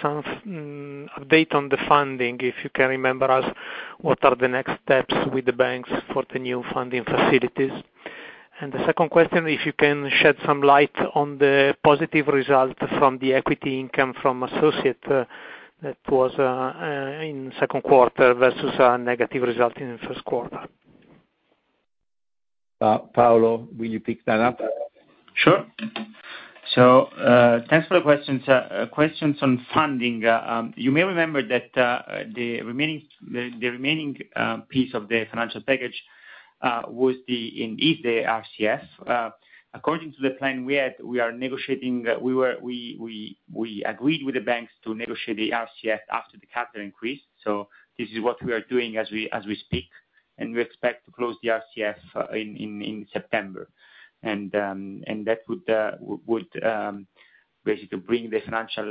some update on the funding, if you can remind us, what are the next steps with the banks for the new funding facilities? The second question, if you can shed some light on the positive result from the equity income from associates, that was in second quarter versus a negative result in the first quarter. Paolo, will you pick that up? Sure. Thanks for the questions. Questions on funding. You may remember that the remaining piece of the financial package was the and is the RCF. According to the plan we had, we agreed with the banks to negotiate the RCF after the capital increase, so this is what we are doing as we speak, and we expect to close the RCF in September. That would basically to bring the financial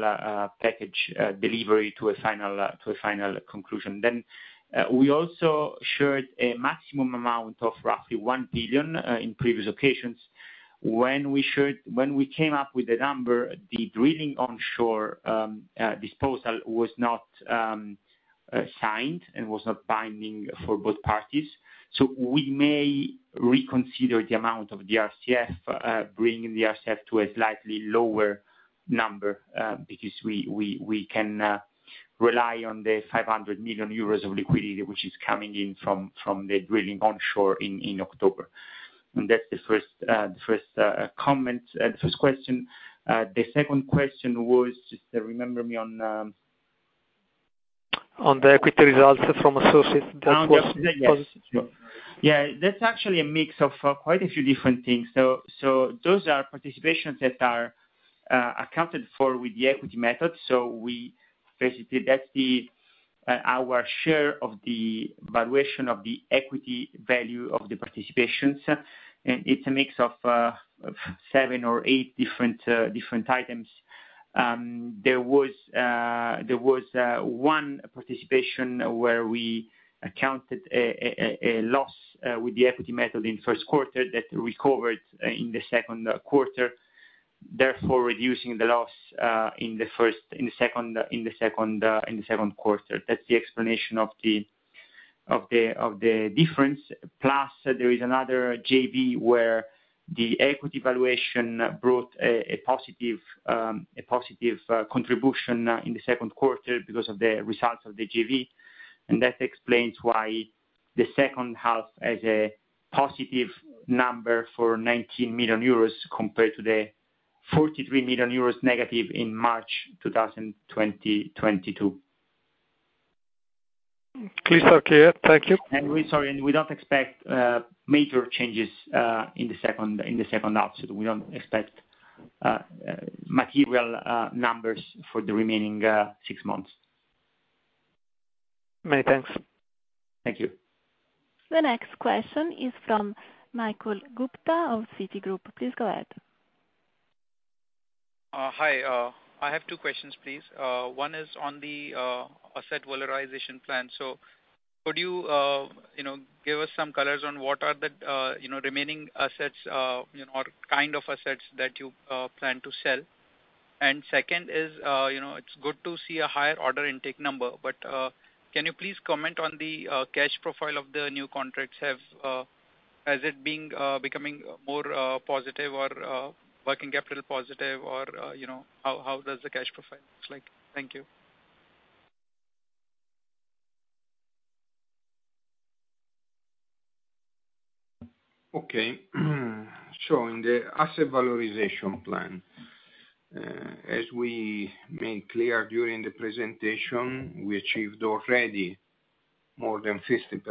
package delivery to a final conclusion. We also shared a maximum amount of roughly 1 billion in previous occasions. When we came up with the number, the drilling onshore disposal was not signed and was not binding for both parties. We may reconsider the amount of the RCF, bringing the RCF to a slightly lower number, because we can rely on the 500 million euros of liquidity, which is coming in from the drilling onshore in October. That's the first comment, the first question. The second question was, just remind me on. On the equity results from associates that was positive. That's actually a mix of quite a few different things. Those are participations that are accounted for with the equity method. We basically, that's the our share of the valuation of the equity value of the participations. It's a mix of seven or eight different items. There was one participation where we accounted a loss with the equity method in first quarter that recovered in the second quarter, therefore reducing the loss in the second quarter. That's the explanation of the difference. Plus, there is another JV where the equity valuation brought a positive contribution in the second quarter because of the results of the JV. That explains why the second half has a positive number for 19 million euros compared to the -43 million euros in March 2022. It's so clear. Thank you. And we, sorry, and we don't expect major changes in the second half. We don't expect material numbers for the remaining six months. Many thanks. Thank you. The next question is from Michael Gupta of Citigroup. Please go ahead. Hi. I have two questions, please. One is on the asset valorization plan. Could you you know give us some colors on what are the you know remaining assets you know or kind of assets that you plan to sell? Second is, you know, it's good to see a higher order intake number, but can you please comment on the cash profile of the new contracts? Has it been becoming more positive or working capital positive or you know, how does the cash profile looks like? Thank you. Okay. In the asset valorization plan, as we made clear during the presentation, we achieved already more than 50%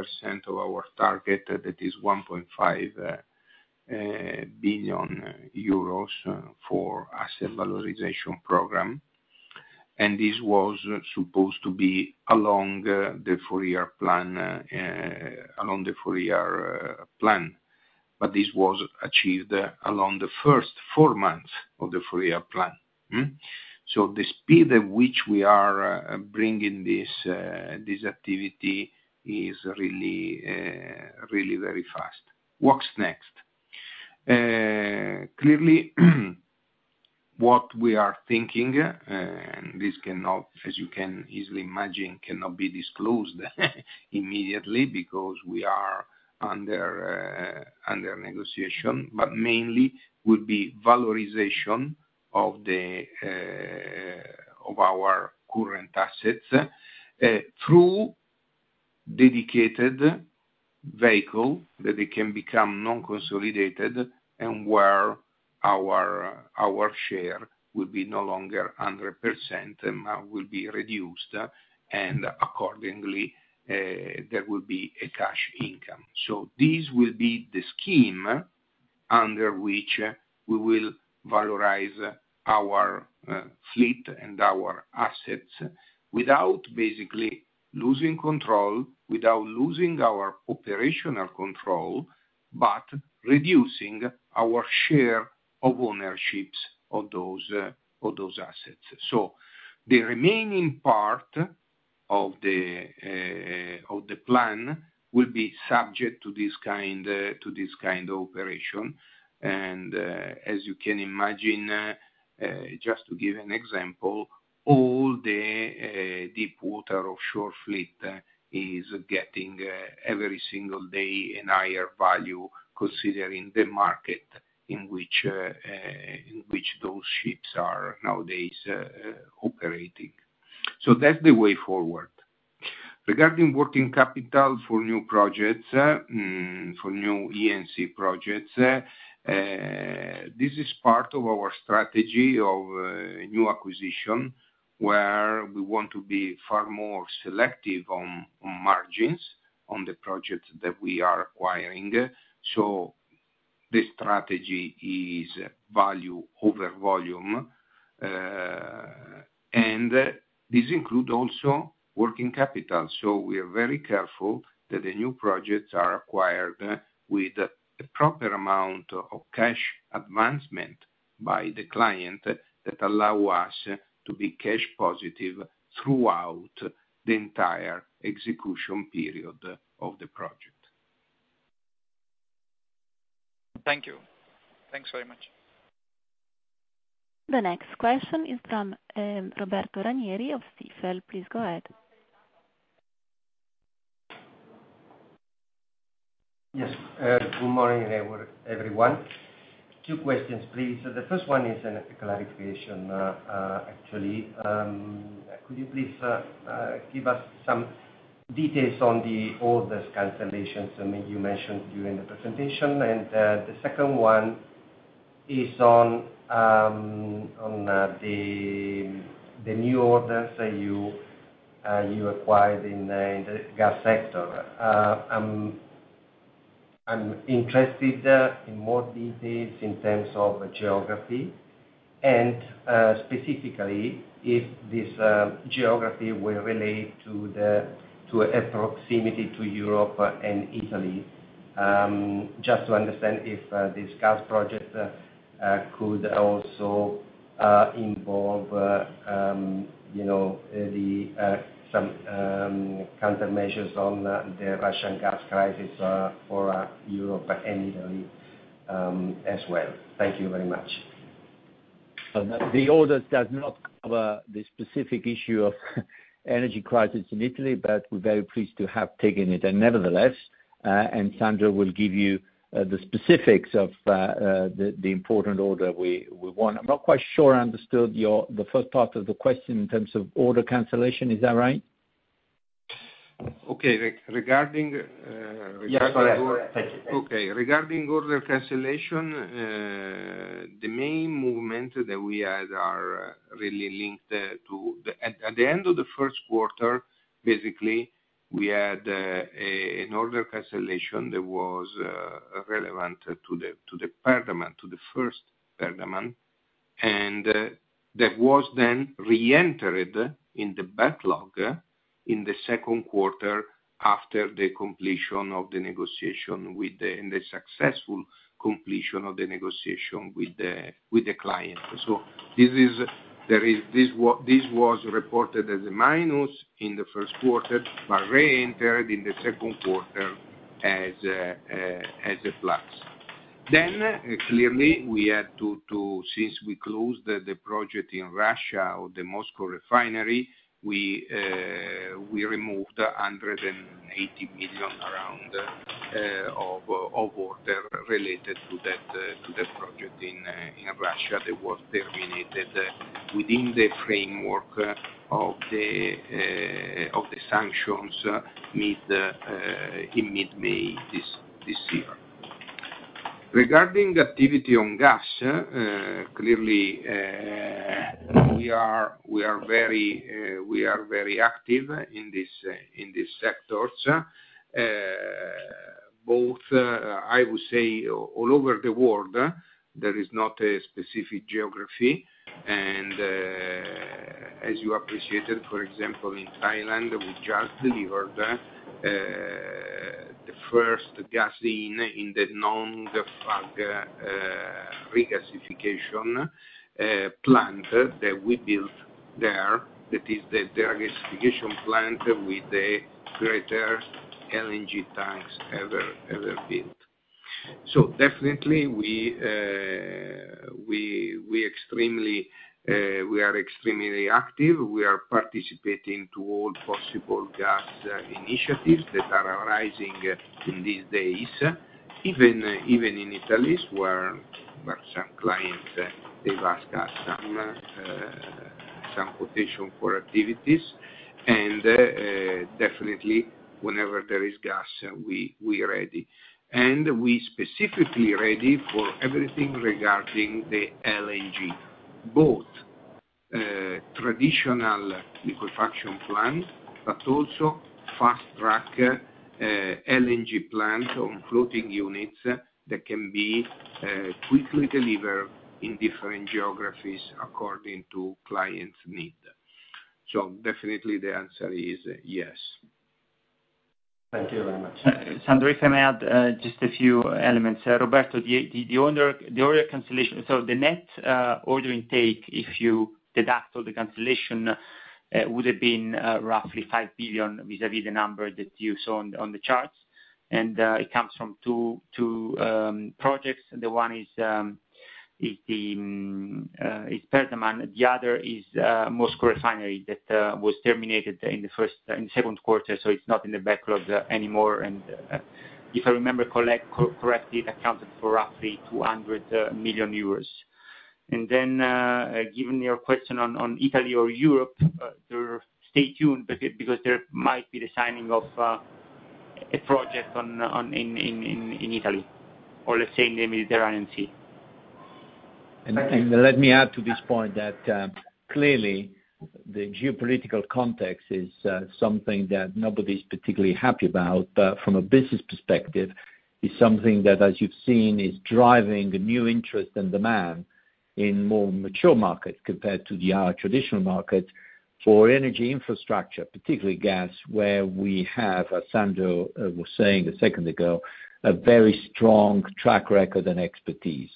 of our target, that is 1.5 billion euros for asset valorization program. This was supposed to be along the full year plan. This was achieved along the first four months of the full year plan. The speed at which we are bringing this activity is really very fast. What's next? Clearly, what we are thinking, and this cannot, as you can easily imagine, be disclosed immediately because we are under negotiation, but mainly will be valorization of our current assets through dedicated vehicle that it can become non-consolidated and where our share will be no longer 100%, amount will be reduced, and accordingly, there will be a cash income. This will be the scheme under which we will valorize our fleet and our assets without basically losing control, without losing our operational control, but reducing our share of ownerships of those assets. The remaining part of the plan will be subject to this kind of operation. As you can imagine, just to give an example, all the deep water offshore fleet is getting every single day in higher value considering the market in which those ships are nowadays operating. That's the way forward. Regarding working capital for new projects, for new E&C projects, this is part of our strategy of new acquisition, where we want to be far more selective on margins on the projects that we are acquiring. The strategy is value over volume, and this include also working capital. We are very careful that the new projects are acquired with the proper amount of cash advancement by the client that allow us to be cash positive throughout the entire execution period of the project. Thank you. Thanks very much. The next question is from Roberto Ranieri of Stifel. Please go ahead. Yes. Good morning, everyone. Two questions, please. The first one is a clarification, actually. Could you please give us some details on the orders cancellations, I mean, you mentioned during the presentation? The second one is on the new orders that you acquired in the gas sector. I'm interested in more details in terms of geography and specifically if this geography will relate to a proximity to Europe and Italy. Just to understand if this gas project could also involve, you know, some countermeasures on the Russian gas crisis for Europe and Italy, as well. Thank you very much. The order does not cover the specific issue of energy crisis in Italy, but we're very pleased to have taken it. And nevertheless, and Sandro will give you the specifics of the important order we won. I'm not quite sure I understood your, the first part of the question in terms of order cancellation. Is that right? Okay. Regarding order. Yeah. Sorry. Thank you. Okay. Regarding order cancellation, the main movement that we had are really linked to the end of the first quarter. Basically, we had an order cancellation that was relevant to the Perdaman, to the first Perdaman, and that was then reentered in the backlog in the second quarter after the completion of the negotiation and the successful completion of the negotiation with the client. This was reported as a minus in the first quarter, but reentered in the second quarter as a plus. Then clearly, we had to... Since we closed the project in Russia or the Moscow refinery, we removed around 180 million of order related to that project in Russia that was terminated within the framework of the sanctions in mid-May this year. Regarding activity on gas, clearly, we are very active in these sectors. Both, I would say all over the world, there is not a specific geography. As you appreciated, for example, in Thailand, we just delivered the first gas in the Nong Fab regasification plant that we built there. That is the regasification plant with the greater LNG tanks ever built. Definitely we are extremely active. We are participating to all possible gas initiatives that are arising in these days, even in Italy, where some clients, they've asked us some quotation for activities. Definitely whenever there is gas, we are ready. We specifically ready for everything regarding the LNG, both traditional liquefaction plant, but also fast-track LNG plants on floating units that can be quickly delivered in different geographies according to clients' need. Definitely the answer is yes. Thank you very much. Sandro, if I may add, just a few elements. Roberto, the order cancellation, so the net order intake, if you deduct all the cancellation, would have been roughly 5 billion vis-a-vis the number that you saw on the charts. It comes from two projects. The one is the PT Pertamina. The other is Moscow Refinery that was terminated in the second quarter, so it's not in the backlog anymore. If I remember correctly, that accounted for roughly 200 million euros. Then, given your question on Italy or Europe, stay tuned because there might be the signing of a project in Italy, or let's say in the Mediterranean Sea. Let me add to this point that clearly the geopolitical context is something that nobody's particularly happy about. From a business perspective, it's something that, as you've seen, is driving new interest and demand in more mature markets compared to the traditional markets for energy infrastructure, particularly gas, where we have, as Sandro was saying a second ago, a very strong track record and expertise.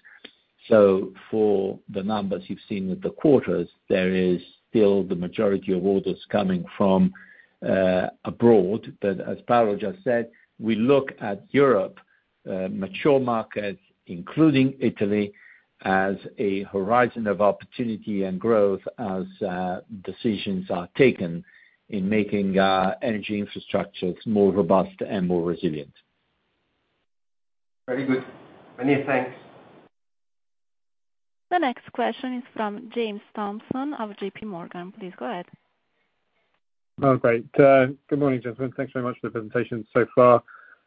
For the numbers you've seen with the quarters, there is still the majority of orders coming from abroad. As Paolo just said, we look at Europe, mature markets, including Italy, as a horizon of opportunity and growth as decisions are taken in making energy infrastructures more robust and more resilient. Very good. Many thanks. The next question is from James Thompson of JPMorgan. Please go ahead. Oh, great. Good morning, gentlemen. Thanks very much for the presentation so far.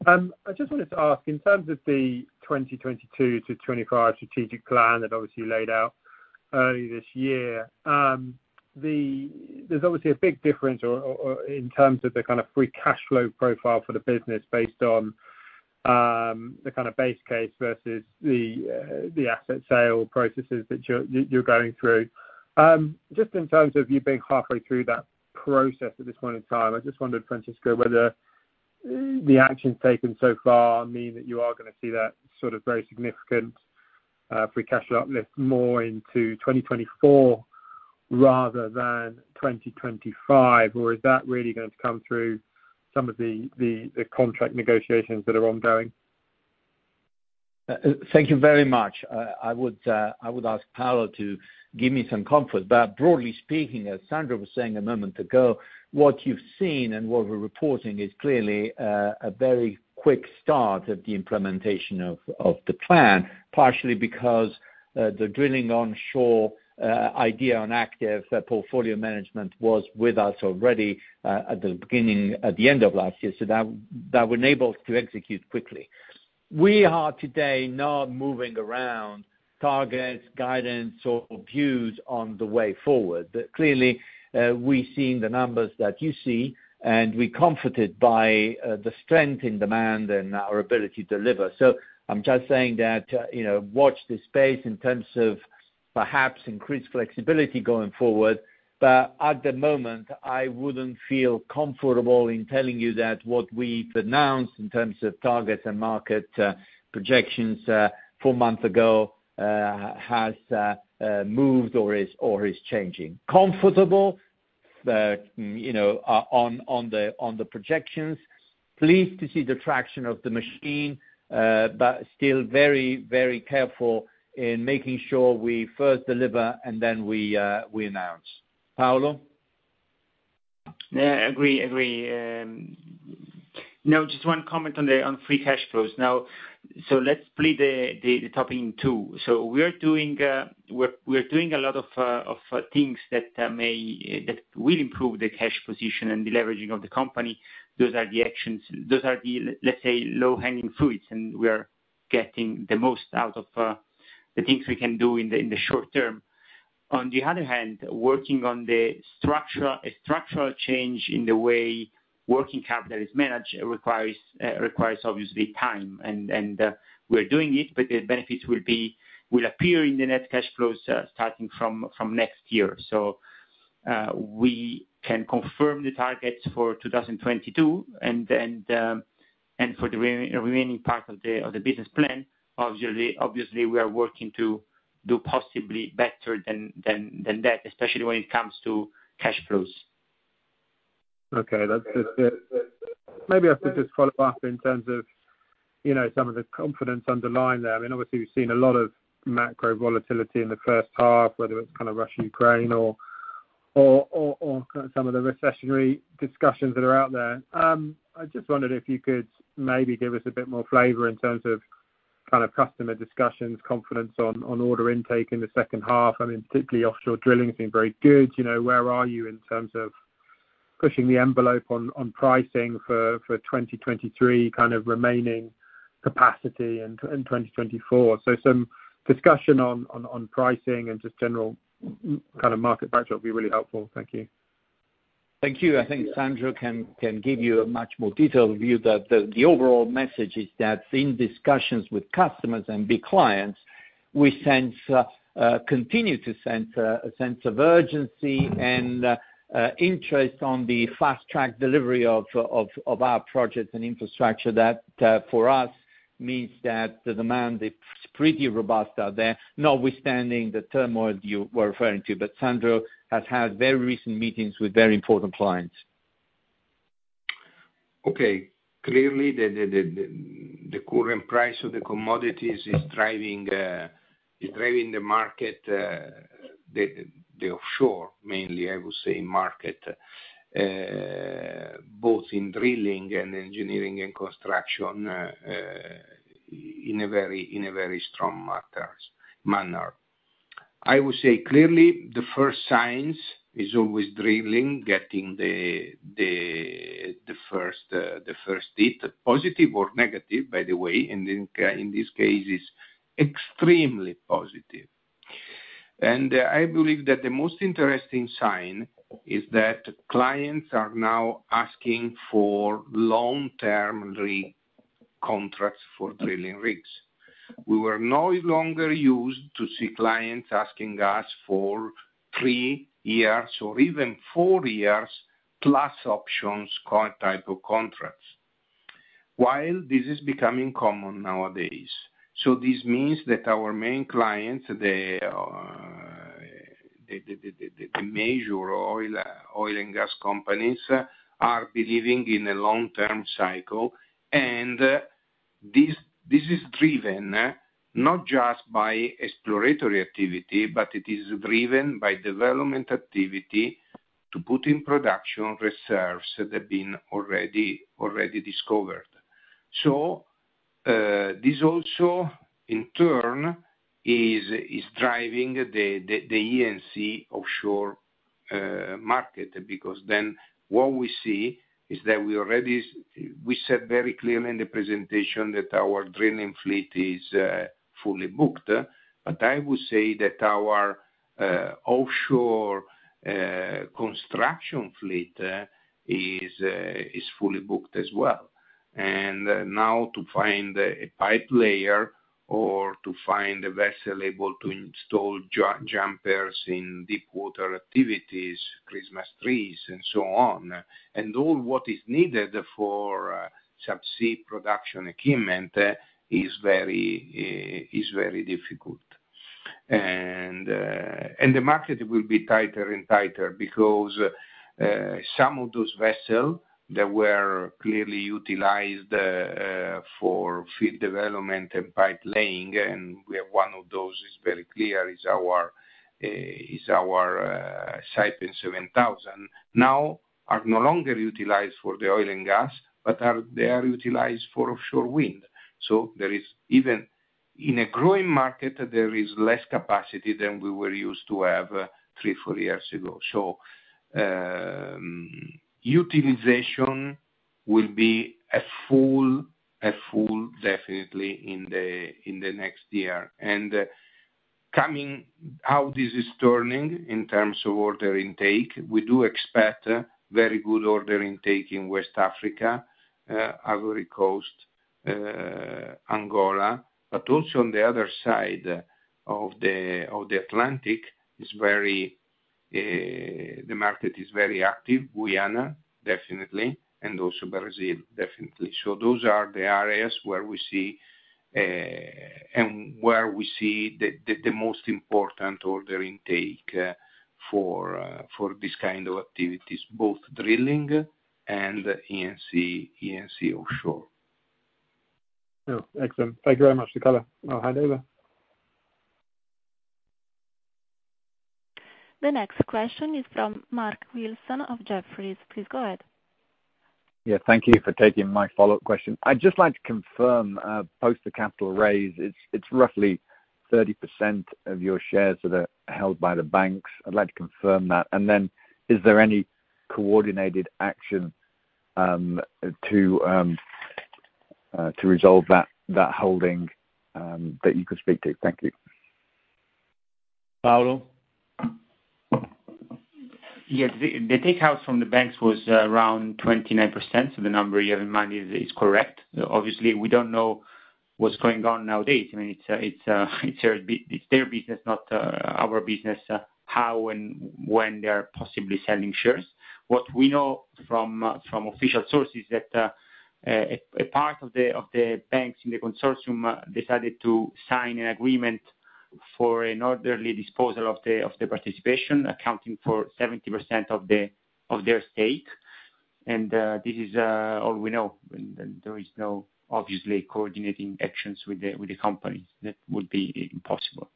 I just wanted to ask, in terms of the 2022 to 2025 strategic plan that obviously you laid out early this year, there's obviously a big difference or in terms of the kind of free cash flow profile for the business based on the kind of base case versus the asset sale processes that you're going through. Just in terms of you being halfway through that process at this point in time, I just wondered, Francesco, whether the actions taken so far mean that you are gonna see that sort of very significant free cash uplift more into 2024 rather than 2025. Or is that really going to come through some of the contract negotiations that are ongoing? Thank you very much. I would ask Paolo to give me some comfort. But broadly speaking, as Sandro was saying a moment ago, what you've seen and what we're reporting is clearly a very quick start of the implementation of the plan. Partially because the drilling onshore idea on active portfolio management was with us already at the end of last year, so that we're enabled to execute quickly. We are today not moving around targets, guidance, or views on the way forward. Clearly, we've seen the numbers that you see, and we're comforted by the strength in demand and our ability to deliver. I'm just saying that, you know, watch this space in terms of perhaps increased flexibility going forward. At the moment, I wouldn't feel comfortable in telling you that what we've announced in terms of targets and market projections four months ago has moved or is changing. Comfortable, you know, on the projections. Pleased to see the traction of the machine, but still very, very careful in making sure we first deliver and then we announce. Paolo? Yeah, agree. Now just one comment on the free cash flows. Now let's split the topic in two. We're doing a lot of things that will improve the cash position and deleveraging of the company. Those are the actions. Those are the, let's say, low-hanging fruits, and we are getting the most out of the things we can do in the short term. On the other hand, working on the structural change in the way working capital is managed requires obviously time. We're doing it, but the benefits will appear in the net cash flows starting from next year. We can confirm the targets for 2022, and then and for the remaining part of the business plan, obviously, we are working to do possibly better than that, especially when it comes to cash flows. Okay. That's. Maybe I should just follow up in terms of, you know, some of the confidence underlying that. I mean, obviously, we've seen a lot of macro volatility in the first half, whether it's kind of Russia-Ukraine or kind of some of the recessionary discussions that are out there. I just wondered if you could maybe give us a bit more flavor in terms of kind of customer discussions, confidence on order intake in the second half. I mean, particularly offshore drilling has been very good. You know, where are you in terms of pushing the envelope on pricing for 2023 kind of remaining capacity in 2024? Some discussion on pricing and just general kind of market backdrop would be really helpful. Thank you. Thank you. I think Sandro can give you a much more detailed view. The overall message is that in discussions with customers and big clients. We sense, continue to sense, a sense of urgency and interest on the fast track delivery of our projects and infrastructure that for us means that the demand is pretty robust out there, notwithstanding the turmoil you were referring to. Sandro has had very recent meetings with very important clients. Okay. Clearly, the current price of the commodities is driving the market, the offshore mainly, I would say market, both in drilling and engineering and construction, in a very strong manner. I would say clearly the first signs is always drilling, getting the first hit, positive or negative, by the way, and in this case is extremely positive. I believe that the most interesting sign is that clients are now asking for long-term rig contracts for drilling rigs. We were no longer used to see clients asking us for three years or even four years plus options type of contracts, while this is becoming common nowadays. This means that our main clients, the major oil and gas companies are believing in a long-term cycle. This is driven not just by exploratory activity, but it is driven by development activity to put in production reserves that have been already discovered. This also in turn is driving the E&C offshore market, because then what we see is that we said very clearly in the presentation that our drilling fleet is fully booked. I would say that our offshore construction fleet is fully booked as well. Now to find a pipe layer or to find a vessel able to install jumpers in deep water activities, Christmas trees and so on, and all what is needed for subsea production equipment is very difficult. The market will be tighter and tighter because some of those vessels that were clearly utilized for field development and pipe laying, and we have one of those is very clear, is our Saipem 7000, now are no longer utilized for the oil and gas, but they are utilized for offshore wind. There is even in a growing market, there is less capacity than we were used to have three, four years ago. Utilization will be at full definitely in the next year. Coming out, this is turning in terms of order intake. We do expect very good order intake in West Africa, Ivory Coast, Angola, but also on the other side of the Atlantic. The market is very active. Guyana definitely, and also Brazil definitely. Those are the areas where we see, and where we see the most important order intake, for this kind of activities, both drilling and E&C offshore. Oh, excellent. Thank you very much, for color. I'll hand over. The next question is from Mark Wilson of Jefferies. Please go ahead. Yeah, thank you for taking my follow-up question. I'd just like to confirm, post the capital raise, it's roughly 30% of your shares that are held by the banks. I'd like to confirm that. Then is there any coordinated action to resolve that holding that you could speak to? Thank you. Paolo? Yes. The take out from the banks was around 29%. The number you have in mind is correct. Obviously, we don't know what's going on nowadays. I mean, it's their business not our business how and when they are possibly selling shares. What we know from official sources that a part of the banks in the consortium decided to sign an agreement for an orderly disposal of the participation, accounting for 70% of their stake. This is all we know. There is no obviously coordinating actions with the company. That would be impossible.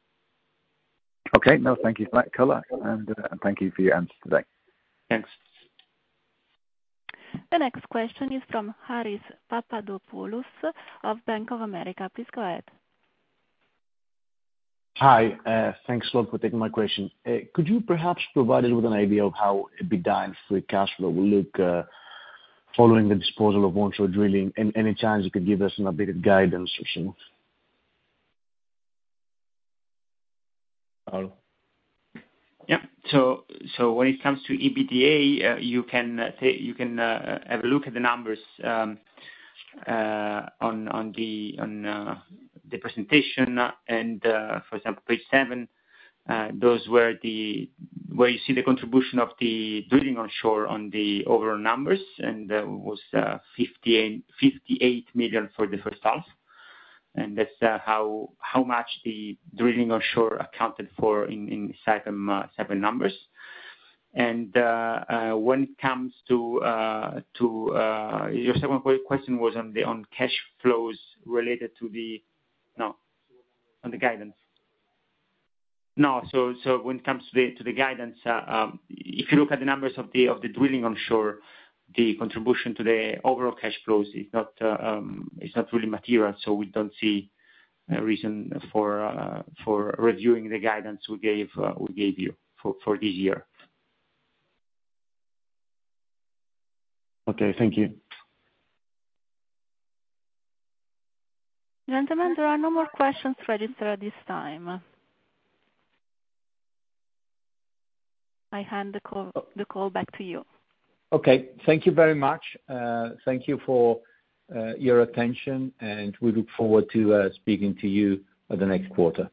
Okay. No, thank you for that, color. Thank you for your answers today. Thanks. The next question is from Haris Papadopoulos of Bank of America. Please go ahead. Hi. Thanks a lot for taking my question. Could you perhaps provide us with an idea of how EBITDA and free cash flow will look following the disposal of onshore drilling? Any chance you could give us an updated guidance or so? Paolo? When it comes to EBITDA, you can have a look at the numbers on the presentation and, for example, page seven, where you see the contribution of the drilling onshore on the overall numbers, and it was 58 million for the first half. That's how much the drilling onshore accounted for in Saipem numbers. When it comes to your second question on the guidance, if you look at the numbers of the drilling onshore, the contribution to the overall cash flows is not really material. We don't see a reason for reviewing the guidance we gave you for this year. Okay. Thank you. Gentlemen, there are no more questions registered at this time. I hand the call back to you. Okay. Thank you very much. Thank you for your attention. We look forward to speaking to you at the next quarter.